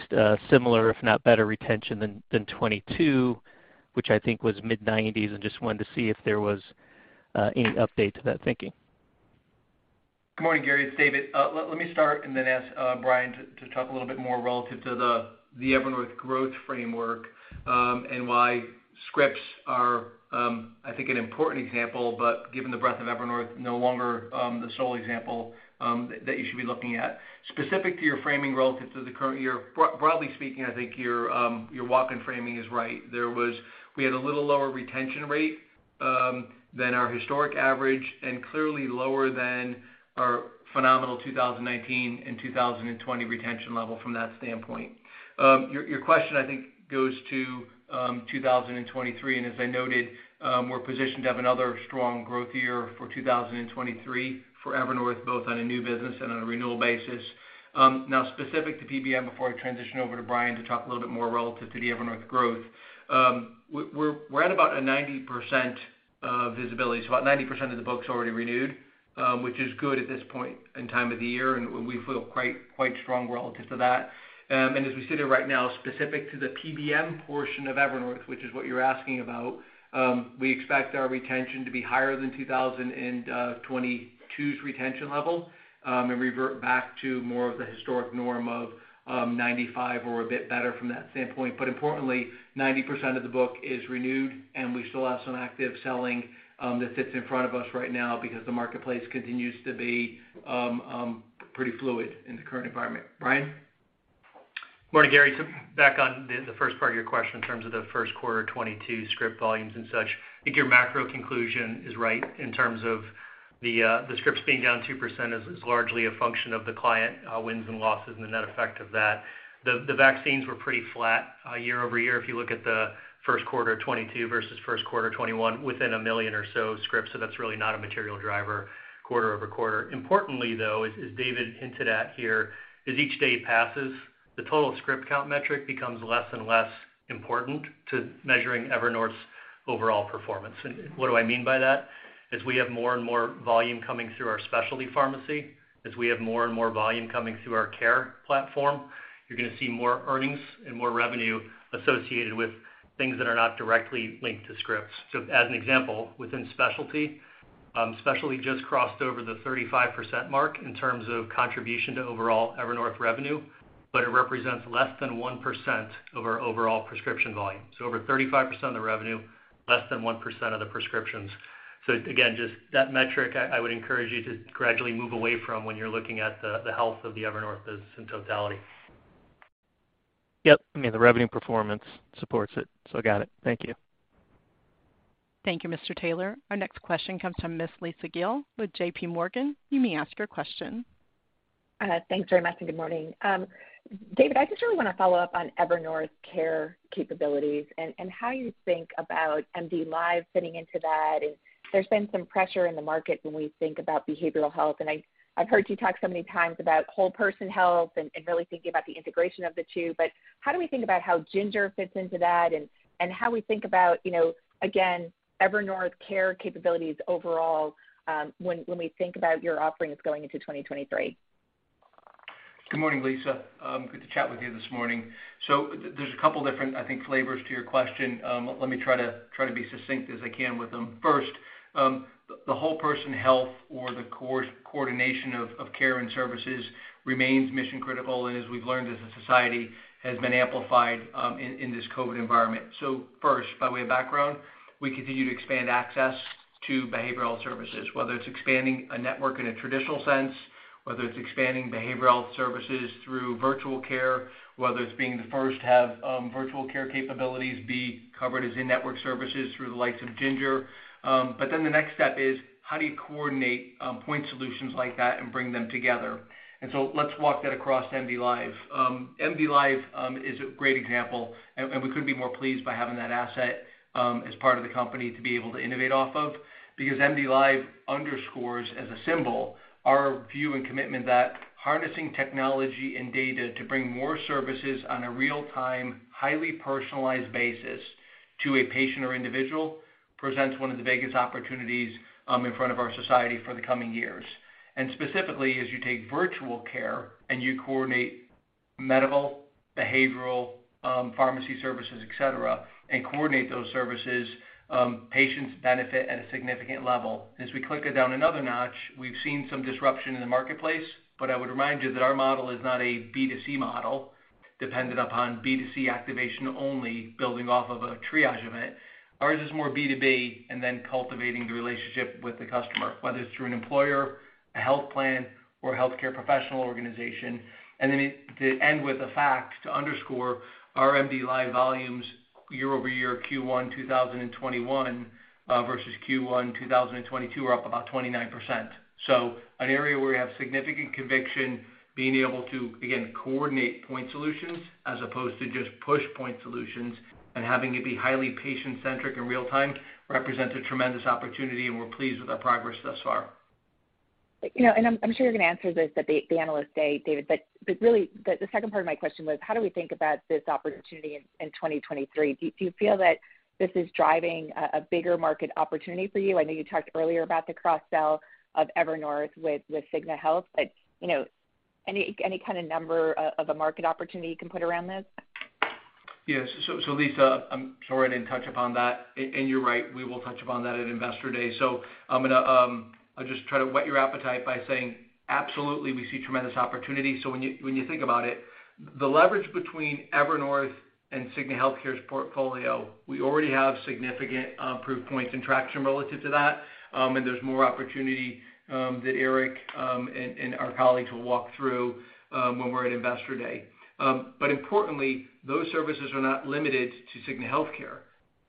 similar, if not better retention than 2022, which I think was mid-90s. I just wanted to see if there was any update to that thinking. Good morning, Gary. It's David. Let me start and then ask Brian to talk a little bit more relative to the Evernorth growth framework, and why scripts are, I think, an important example, but given the breadth of Evernorth, no longer the sole example that you should be looking at. Specific to your framing relative to the current year, broadly speaking, I think your walk and framing is right. We had a little lower retention rate than our historic average, and clearly lower than our phenomenal 2019 and 2020 retention level from that standpoint. Your question, I think, goes to 2023, and as I noted, we're positioned to have another strong growth year for 2023 for Evernorth, both on a new business and on a renewal basis. Now specific to PBM, before I transition over to Brian to talk a little bit more relative to the Evernorth growth, we're at about a 90% visibility. So about 90% of the book's already renewed, which is good at this point in time of the year, and we feel quite strong relative to that. As we sit here right now, specific to the PBM portion of Evernorth, which is what you're asking about, we expect our retention to be higher than 2022's retention level, and revert back to more of the historic norm of 95% or a bit better from that standpoint. Importantly, 90% of the book is renewed, and we still have some active selling that sits in front of us right now because the marketplace continues to be pretty fluid in the current environment. Brian? Morning, Gary. Back on the first part of your question in terms of the first quarter of 2022 script volumes and such, I think your macro conclusion is right in terms of the scripts being down 2% is largely a function of the client wins and losses and the net effect of that. The vaccines were pretty flat year-over-year if you look at the first quarter of 2022 versus first quarter 2021 within 1 million or so scripts. That's really not a material driver quarter-over-quarter. Importantly, though, as David hinted at here, as each day passes, the total script count metric becomes less and less important to measuring Evernorth's overall performance. What do I mean by that? As we have more and more volume coming through our specialty pharmacy, as we have more and more volume coming through our care platform, you're gonna see more earnings and more revenue associated with things that are not directly linked to scripts. As an example, within specialty just crossed over the 35% mark in terms of contribution to overall Evernorth revenue, but it represents less than 1% of our overall prescription volume. Over 35% of the revenue, less than 1% of the prescriptions. Again, just that metric, I would encourage you to gradually move away from when you're looking at the health of the Evernorth business in totality. Yep. I mean, the revenue performance supports it, so got it. Thank you. Thank you, Mr. Taylor. Our next question comes from Miss Lisa Gill with JPMorgan. You may ask your question. Thanks very much, and good morning. David, I just really wanna follow up on Evernorth Care capabilities and how you think about MDLIVE fitting into that. There's been some pressure in the market when we think about behavioral health, and I've heard you talk so many times about whole person health and really thinking about the integration of the two. How do we think about how Ginger fits into that and how we think about, you know, again, Evernorth Care capabilities overall, when we think about your offerings going into 2023? Good morning, Lisa. Good to chat with you this morning. There's a couple different, I think, flavors to your question. Let me try to be succinct as I can with them. First, the whole person health or the coordination of care and services remains mission critical, and as we've learned as a society, has been amplified in this COVID environment. First, by way of background, we continue to expand access to behavioral health services, whether it's expanding a network in a traditional sense, whether it's expanding behavioral health services through virtual care, whether it's being the first to have virtual care capabilities be covered as in-network services through the likes of Ginger. Then the next step is, how do you coordinate point solutions like that and bring them together? Let's walk that across MDLIVE. MDLIVE is a great example, and we couldn't be more pleased by having that asset as part of the company to be able to innovate off of. Because MDLIVE underscores as a symbol our view and commitment that harnessing technology and data to bring more services on a real-time, highly personalized basis to a patient or individual presents one of the biggest opportunities in front of our society for the coming years. Specifically, as you take virtual care and you coordinate medical, behavioral, pharmacy services, et cetera, and coordinate those services, patients benefit at a significant level. As we click it down another notch, we've seen some disruption in the marketplace, but I would remind you that our model is not a B2C model dependent upon B2C activation only building off of a triage event. Ours is more B2B and then cultivating the relationship with the customer, whether it's through an employer, a health plan, or a healthcare professional organization. To end with the facts to underscore our MDLIVE volumes year over year Q1 2021 versus Q1 2022 are up about 29%. An area where we have significant conviction being able to, again, coordinate point solutions as opposed to just push point solutions and having it be highly patient-centric and real-time represents a tremendous opportunity, and we're pleased with our progress thus far. You know, I'm sure you're gonna answer this at the analyst day, David, but really the second part of my question was how do we think about this opportunity in 2023? Do you feel that this is driving a bigger market opportunity for you? I know you talked earlier about the cross-sell of Evernorth with Cigna Health, but you know, any kind of number of a market opportunity you can put around this? Yes. Lisa, I'm sorry I didn't touch upon that. You're right, we will touch upon that at Investor Day. I'm gonna, I'll just try to whet your appetite by saying absolutely we see tremendous opportunity. When you think about it, the leverage between Evernorth and Cigna Healthcare's portfolio, we already have significant proof points and traction relative to that, and there's more opportunity that Eric and our colleagues will walk through when we're at Investor Day. But importantly, those services are not limited to Cigna Healthcare.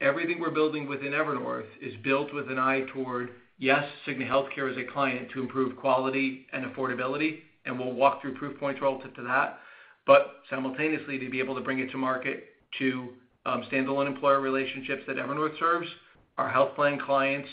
Everything we're building within Evernorth is built with an eye toward, yes, Cigna Healthcare as a client to improve quality and affordability, and we'll walk through proof points relative to that. Simultaneously, to be able to bring it to market to standalone employer relationships that Evernorth serves, our health plan clients,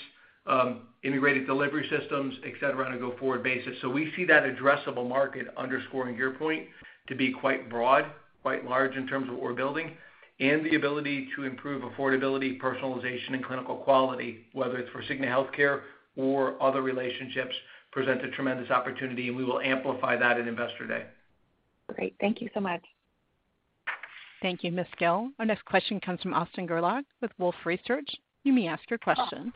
integrated delivery systems, et cetera, on a go-forward basis. We see that addressable market underscoring your point to be quite broad, quite large in terms of what we're building, and the ability to improve affordability, personalization, and clinical quality, whether it's for Cigna Healthcare or other relationships, present a tremendous opportunity, and we will amplify that at Investor Day. Great. Thank you so much. Thank you, Ms. Gill. Our next question comes from Austin Gerlach with Wolfe Research. You may ask your question.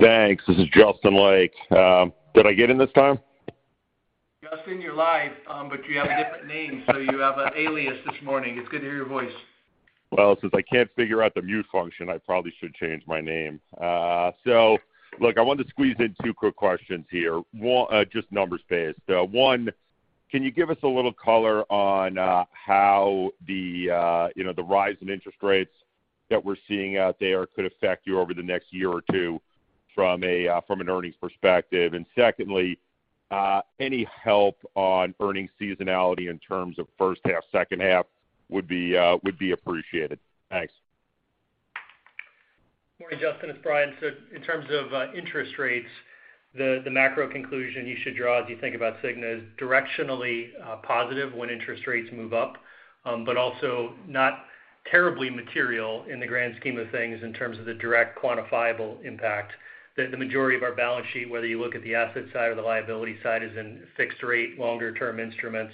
Thanks. This is Justin Lake. Did I get in this time? Justin, you're live, but you have a different name, so you have an alias this morning. It's good to hear your voice. Well, since I can't figure out the mute function, I probably should change my name. Look, I wanted to squeeze in two quick questions here. One, just numbers-based. One, can you give us a little color on how you know, the rise in interest rates that we're seeing out there could affect you over the next year or two from an earnings perspective? Secondly, any help on earnings seasonality in terms of first half, second half would be appreciated. Thanks. Morning, Justin, it's Brian. In terms of interest rates, the macro conclusion you should draw as you think about Cigna is directionally positive when interest rates move up, but also not terribly material in the grand scheme of things in terms of the direct quantifiable impact. The majority of our balance sheet, whether you look at the asset side or the liability side, is in fixed rate, longer-term instruments.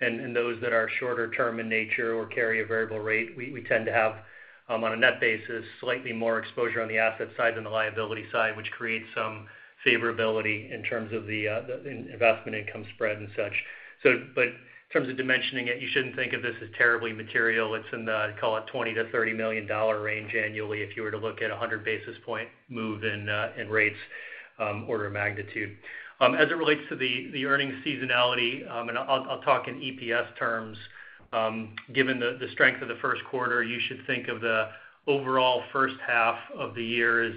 Those that are shorter term in nature or carry a variable rate, we tend to have, on a net basis, slightly more exposure on the asset side than the liability side, which creates some favorability in terms of the investment income spread and such. But in terms of dimensioning it, you shouldn't think of this as terribly material. It's in the, call it $20million-$30 million range annually if you were to look at a 100 basis point move in rates, order of magnitude. As it relates to the earnings seasonality, and I'll talk in EPS terms, given the strength of the first quarter, you should think of the overall first half of the year as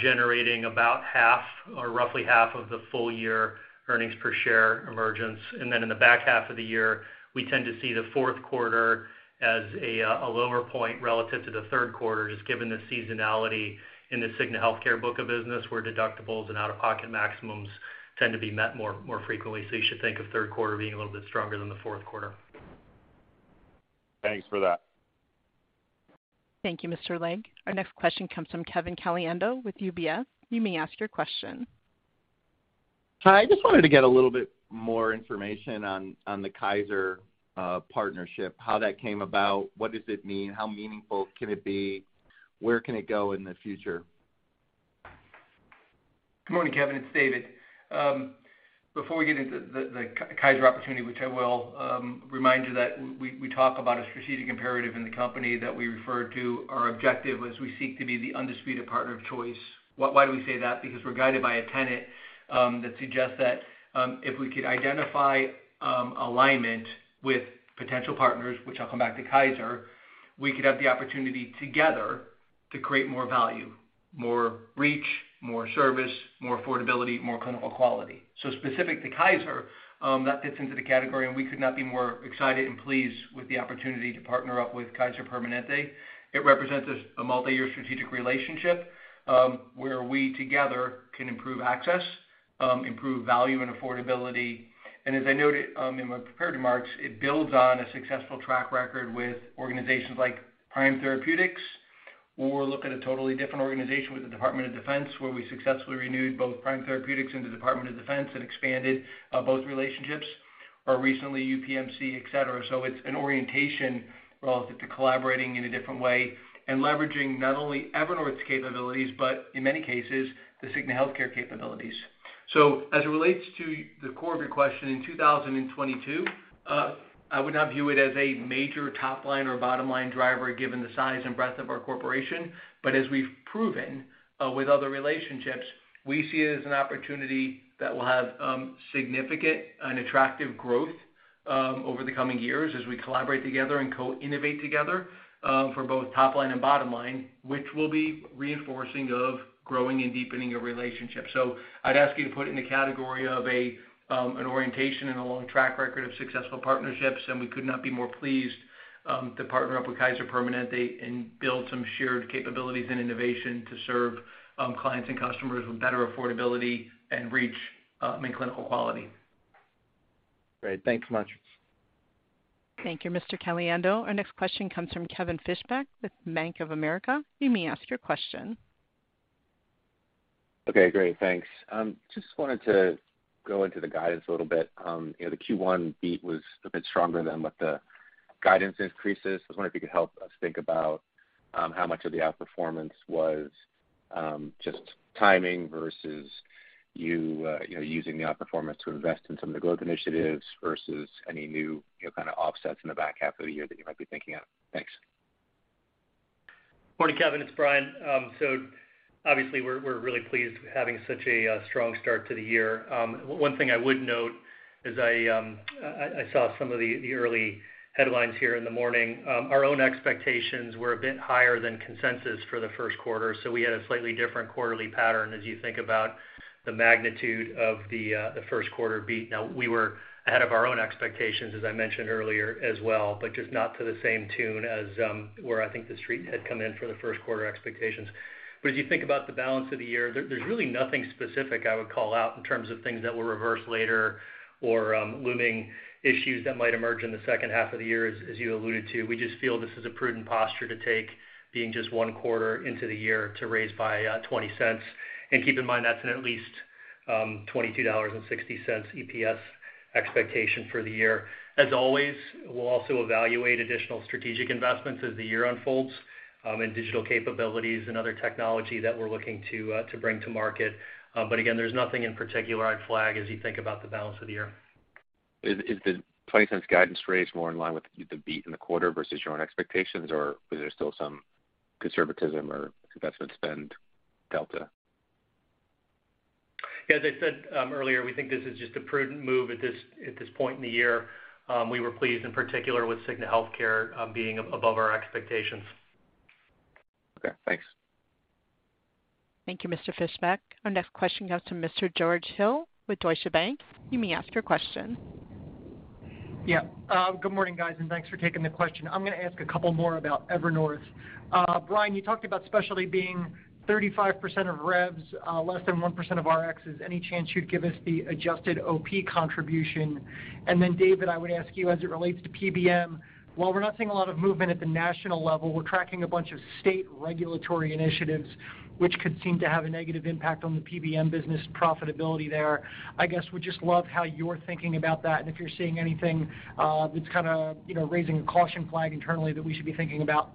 generating about half or roughly half of the full year earnings per share emergence. Then in the back half of the year, we tend to see the fourth quarter as a lower point relative to the third quarter, just given the seasonality in the Cigna Healthcare book of business, where deductibles and out-of-pocket maximums tend to be met more frequently. You should think of third quarter being a little bit stronger than the fourth quarter. Thanks for that. Thank you, Mr. Lake. Our next question comes from Kevin Caliendo with UBS. You may ask your question. Hi. I just wanted to get a little bit more information on the Kaiser partnership, how that came about, what does it mean, how meaningful can it be, where can it go in the future? Good morning, Kevin, it's David. Before we get into the Kaiser opportunity, which I will remind you that we talk about a strategic imperative in the company that we refer to our objective as we seek to be the undisputed partner of choice. Why do we say that? Because we're guided by a tenet that suggests that if we could identify alignment with potential partners, which I'll come back to Kaiser, we could have the opportunity together to create more value, more reach, more service, more affordability, more clinical quality. Specific to Kaiser, that fits into the category, and we could not be more excited and pleased with the opportunity to partner up with Kaiser Permanente. It represents a multi-year strategic relationship where we together can improve access, improve value and affordability. As I noted in my prepared remarks, it builds on a successful track record with organizations like Prime Therapeutics. Or look at a totally different organization with the Department of Defense, where we successfully renewed both Prime Therapeutics and the Department of Defense and expanded both relationships, or recently UPMC, et cetera. It's an orientation relative to collaborating in a different way and leveraging not only Evernorth's capabilities, but in many cases, the Cigna Healthcare capabilities. As it relates to the core of your question, in 2022, I would not view it as a major top-line or bottom-line driver given the size and breadth of our corporation. As we've proven with other relationships, we see it as an opportunity that will have significant and attractive growth over the coming years as we collaborate together and co-innovate together for both top line and bottom line, which will be reinforcing of growing and deepening a relationship. I'd ask you to put it in the category of an orientation and a long track record of successful partnerships, and we could not be more pleased to partner up with Kaiser Permanente and build some shared capabilities and innovation to serve clients and customers with better affordability and reach and clinical quality. Great. Thanks so much. Thank you, Mr. Caliendo. Our next question comes from Kevin Fischbeck with Bank of America. You may ask your question. Okay, great. Thanks. Just wanted to go into the guidance a little bit. You know, the Q1 beat was a bit stronger than what the guidance increases. I was wondering if you could help us think about how much of the outperformance was just timing versus you know using the outperformance to invest in some of the growth initiatives versus any new you know kinda offsets in the back half of the year that you might be thinking of. Thanks. Morning, Kevin, it's Brian. Obviously, we're really pleased with having such a strong start to the year. One thing I would note as I saw some of the early headlines here in the morning, our own expectations were a bit higher than consensus for the first quarter, so we had a slightly different quarterly pattern as you think about the magnitude of the first quarter beat. Now, we were ahead of our own expectations, as I mentioned earlier as well, but just not to the same tune as where I think The Street had come in for the first quarter expectations. As you think about the balance of the year, there's really nothing specific I would call out in terms of things that will reverse later or looming issues that might emerge in the second half of the year as you alluded to. We just feel this is a prudent posture to take, being just one quarter into the year to raise by $0.20. Keep in mind, that's an at least $22.60 EPS expectation for the year. As always, we'll also evaluate additional strategic investments as the year unfolds in digital capabilities and other technology that we're looking to bring to market. Again, there's nothing in particular I'd flag as you think about the balance of the year. Is the $0.20 guidance raise more in line with the beat in the quarter versus your own expectations, or is there still some conservatism or investment spend delta? Yeah, as I said, earlier, we think this is just a prudent move at this point in the year. We were pleased, in particular, with Cigna Healthcare being above our expectations. Okay, thanks. Thank you, Mr. Fischbeck. Our next question goes to Mr. George Hill with Deutsche Bank. You may ask your question. Yeah. Good morning, guys, and thanks for taking the question. I'm gonna ask a couple more about Evernorth. Brian, you talked about specialty being 35% of revs, less than 1% of RXs. Any chance you'd give us the adjusted OP contribution? And then, David, I would ask you, as it relates to PBM, while we're not seeing a lot of movement at the national level, we're tracking a bunch of state regulatory initiatives, which could seem to have a negative impact on the PBM business profitability there. I guess, would just love how you're thinking about that and if you're seeing anything, that's kinda, you know, raising a caution flag internally that we should be thinking about.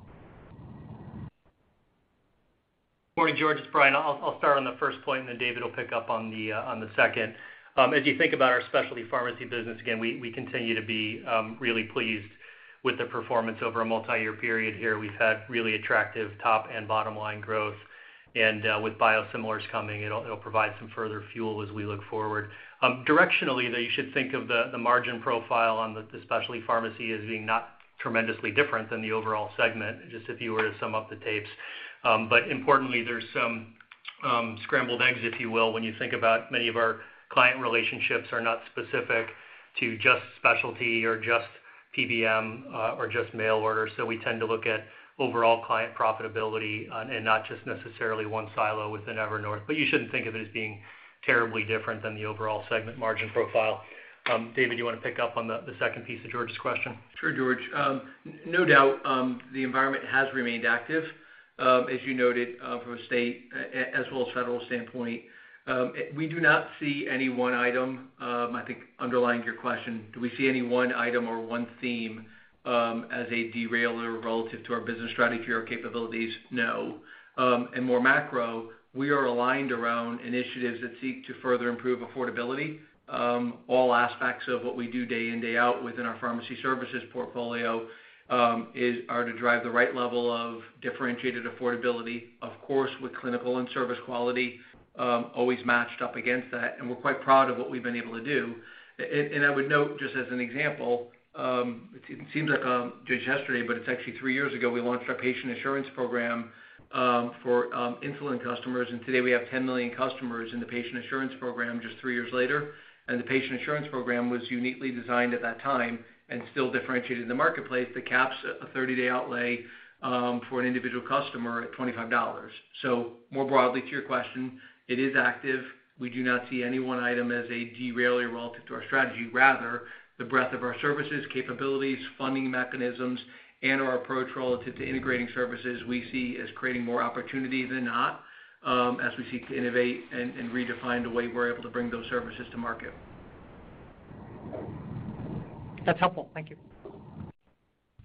Morning, George. It's Brian. I'll start on the first point, and then David will pick up on the second. As you think about our specialty pharmacy business, again, we continue to be really pleased with the performance over a multi-year period here. We've had really attractive top and bottom line growth. With biosimilars coming, it'll provide some further fuel as we look forward. Directionally, though, you should think of the margin profile on the specialty pharmacy as being not tremendously different than the overall segment, just if you were to sum of the parts. But importantly, there's some scrambled eggs, if you will, when you think about many of our client relationships are not specific to just specialty or just PBM, or just mail order. We tend to look at overall client profitability and not just necessarily one silo within Evernorth. You shouldn't think of it as being terribly different than the overall segment margin profile. David, you wanna pick up on the second piece of George's question? Sure, George. No doubt, the environment has remained active, as you noted, from a state as well as federal standpoint. We do not see any one item. I think underlying your question, do we see any one item or one theme as a derailer relative to our business strategy or capabilities? No. More macro, we are aligned around initiatives that seek to further improve affordability. All aspects of what we do day in, day out within our pharmacy services portfolio are to drive the right level of differentiated affordability, of course, with clinical and service quality always matched up against that, and we're quite proud of what we've been able to do. I would note, just as an example, it seems like just yesterday, but it's actually three years ago, we launched our Patient Assurance Program for insulin customers, and today we have 10 million customers in the Patient Assurance Program just three years later. The Patient Assurance Program was uniquely designed at that time and still differentiated in the marketplace that caps a 30-day outlay for an individual customer at $25. More broadly to your question, it is active. We do not see any one item as a de-railer relative to our strategy. Rather, the breadth of our services, capabilities, funding mechanisms, and our approach relative to integrating services, we see as creating more opportunity than not, as we seek to innovate and redefine the way we're able to bring those services to market. That's helpful. Thank you.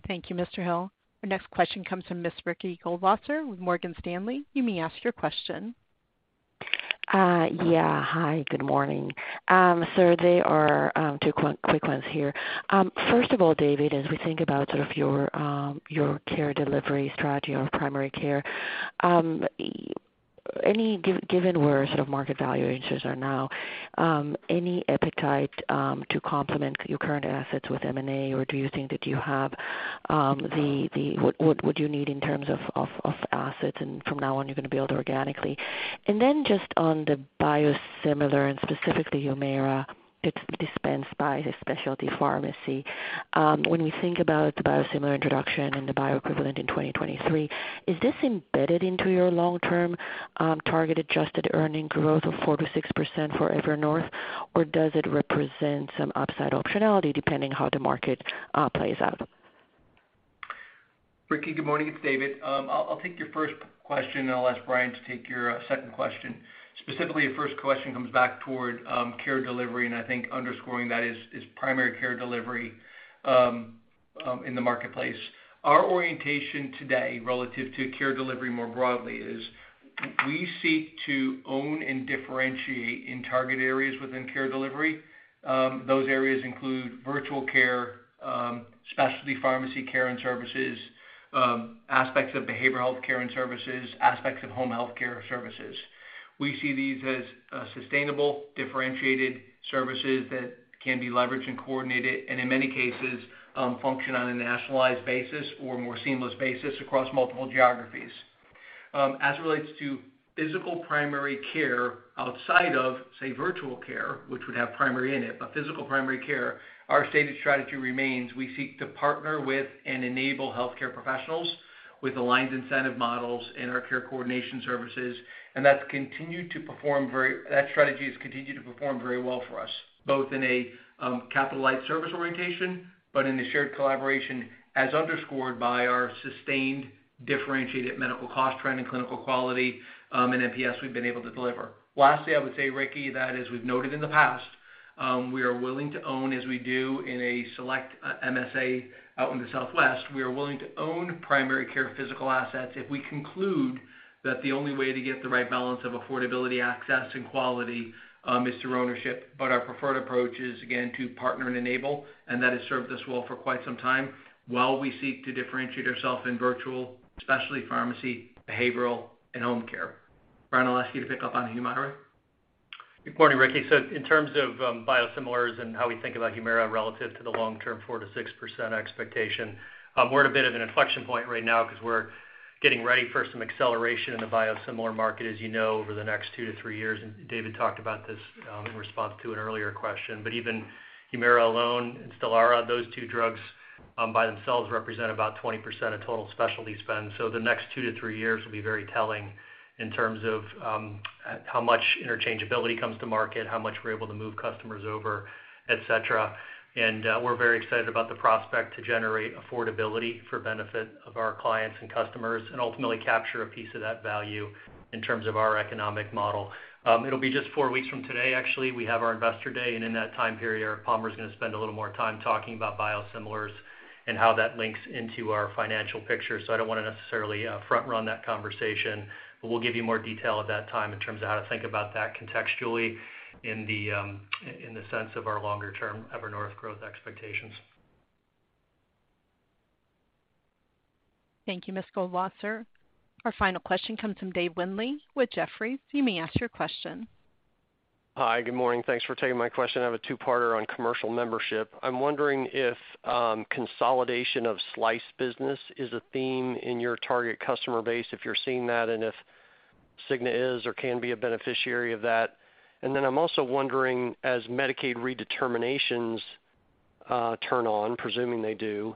Thank you, Mr. Hill. Our next question comes from Ms. Ricky Goldwasser with Morgan Stanley. You may ask your question. Yeah. Hi, good morning. So there are two quick ones here. First of all, David, as we think about sort of your care delivery strategy on primary care, any given where sort of market valuations are now, any appetite to complement your current assets with M&A, or do you think that you have the what do you need in terms of of assets, and from now on, you're gonna build organically? Then just on the biosimilar, and specifically Humira, it's dispensed by a specialty pharmacy. When we think about the biosimilar introduction and the bioequivalent in 2023, is this embedded into your long-term target adjusted earnings growth of 4%-6% for Evernorth, or does it represent some upside optionality depending how the market plays out? Ricky, good morning. It's David. I'll take your first question, and I'll ask Brian to take your second question. Specifically, your first question comes back toward care delivery, and I think underscoring that is primary care delivery in the marketplace. Our orientation today relative to care delivery more broadly is we seek to own and differentiate in target areas within care delivery. Those areas include virtual care, specialty pharmacy care and services, aspects of behavioral health care and services, aspects of home health care services. We see these as sustainable, differentiated services that can be leveraged and coordinated, and in many cases, function on a nationalized basis or more seamless basis across multiple geographies. As it relates to physical primary care outside of, say, virtual care, which would have primary in it, but physical primary care, our stated strategy remains we seek to partner with and enable healthcare professionals with aligned incentive models in our care coordination services, and that strategy has continued to perform very well for us, both in a capital light service orientation, but in a shared collaboration as underscored by our sustained differentiated medical cost trend and clinical quality, and NPS we've been able to deliver. Lastly, I would say, Ricky, that as we've noted in the past, we are willing to own as we do in a select MSA out in the Southwest. We are willing to own primary care physical assets if we conclude that the only way to get the right balance of affordability, access, and quality is through ownership. Our preferred approach is, again, to partner and enable, and that has served us well for quite some time while we seek to differentiate ourself in virtual, specialty pharmacy, behavioral, and home care. Brian, I'll ask you to pick up on Humira. Good morning, Ricky. In terms of biosimilars and how we think about Humira relative to the long-term 4%-6% expectation, we're at a bit of an inflection point right now 'cause we're getting ready for some acceleration in the biosimilar market, as you know, over the next two or three years. David talked about this in response to an earlier question. Even Humira alone and Stelara, those two drugs, by themselves represent about 20% of total specialty spend. The next two to three years will be very telling in terms of how much interchangeability comes to market, how much we're able to move customers over, et cetera. We're very excited about the prospect to generate affordability for benefit of our clients and customers, and ultimately capture a piece of that value in terms of our economic model. It'll be just four weeks from today, actually, we have our Investor Day, and in that time period, Palmer's gonna spend a little more time talking about biosimilars and how that links into our financial picture. I don't wanna necessarily front-run that conversation, but we'll give you more detail at that time in terms of how to think about that contextually in the in the sense of our longer-term Evernorth growth expectations. Thank you, Ms. Goldwasser. Our final question comes from Dave Windley with Jefferies. You may ask your question. Hi. Good morning. Thanks for taking my question. I have a two-parter on commercial membership. I'm wondering if consolidation of small business is a theme in your target customer base, if you're seeing that, and if Cigna is or can be a beneficiary of that. I'm also wondering, as Medicaid redeterminations turn on, presuming they do,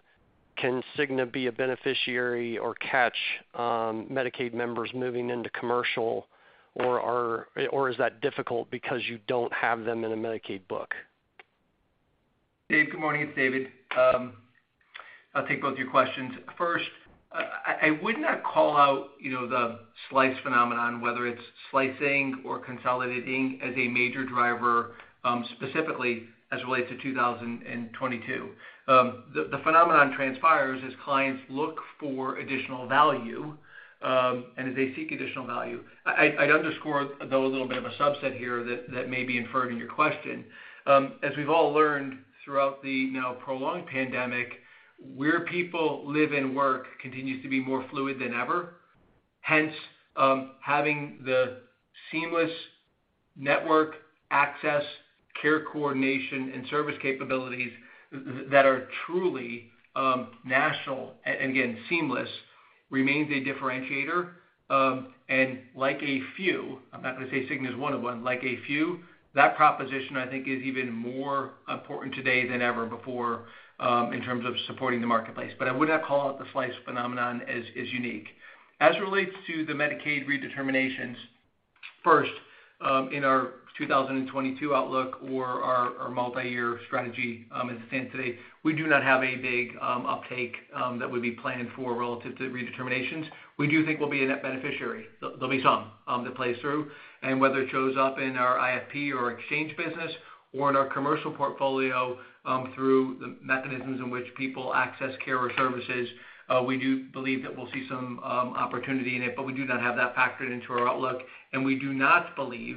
can Cigna be a beneficiary or catch Medicaid members moving into commercial, or is that difficult because you don't have them in a Medicaid book? Dave, good morning. It's David. I'll take both of your questions. First, I would not call out, you know, the slice phenomenon, whether it's slicing or consolidating as a major driver, specifically as it relates to 2022. The phenomenon transpires as clients look for additional value, and as they seek additional value. I'd underscore, though, a little bit of a subset here that may be inferred in your question. As we've all learned throughout the now prolonged pandemic, where people live and work continues to be more fluid than ever. Hence, having the seamless network access, care coordination, and service capabilities that are truly national, and again, seamless, remains a differentiator. Like a few, I'm not gonna say Cigna is one of them, that proposition, I think, is even more important today than ever before in terms of supporting the marketplace, but I would not call out the slice phenomenon as unique. As it relates to the Medicaid redeterminations. First, in our 2022 outlook or our multi-year strategy, as it stands today, we do not have a big uptake that would be planned for relative to redeterminations. We do think we'll be a net beneficiary. There'll be some that plays through, and whether it shows up in our IFP or exchange business or in our commercial portfolio, through the mechanisms in which people access care or services, we do believe that we'll see some opportunity in it, but we do not have that factored into our outlook. We do not believe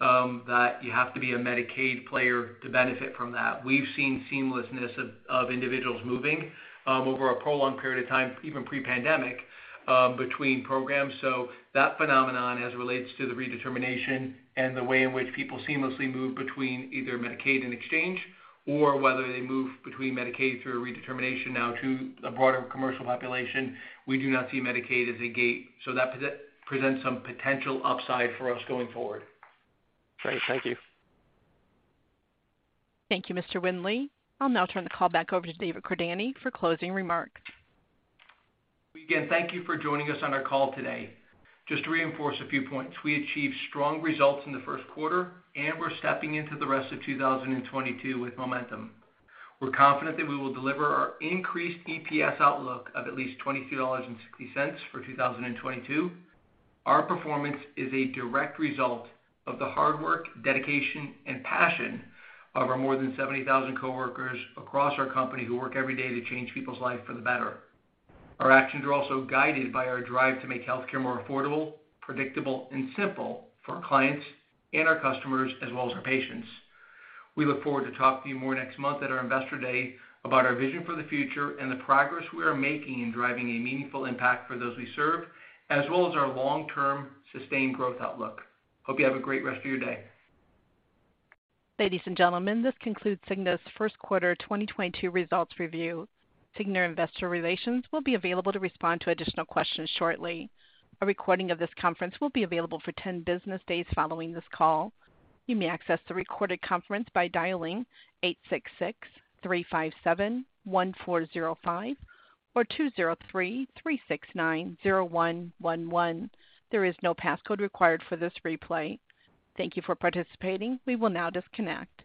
that you have to be a Medicaid player to benefit from that. We've seen seamlessness of individuals moving over a prolonged period of time, even pre-pandemic, between programs. That phenomenon as it relates to the redetermination and the way in which people seamlessly move between either Medicaid and exchange, or whether they move between Medicaid through a redetermination now to a broader commercial population, we do not see Medicaid as a gate, so that presents some potential upside for us going forward. Great. Thank you. Thank you, Mr. Windley. I'll now turn the call back over to David Cordani for closing remarks. Again, thank you for joining us on our call today. Just to reinforce a few points, we achieved strong results in the first quarter, and we're stepping into the rest of 2022 with momentum. We're confident that we will deliver our increased EPS outlook of at least $22.60 for 2022. Our performance is a direct result of the hard work, dedication, and passion of our more than 70,000 coworkers across our company who work every day to change people's life for the better. Our actions are also guided by our drive to make healthcare more affordable, predictable, and simple for our clients and our customers, as well as our patients. We look forward to talking to you more next month at our Investor Day about our vision for the future and the progress we are making in driving a meaningful impact for those we serve, as well as our long-term sustained growth outlook. Hope you have a great rest of your day. Ladies and gentlemen, this concludes Cigna's first quarter 2022 results review. Cigna Investor Relations will be available to respond to additional questions shortly. A recording of this conference will be available for 10 business days following this call. You may access the recorded conference by dialing 866-357-1405 or 203-369-0111. There is no passcode required for this replay. Thank you for participating. We will now disconnect.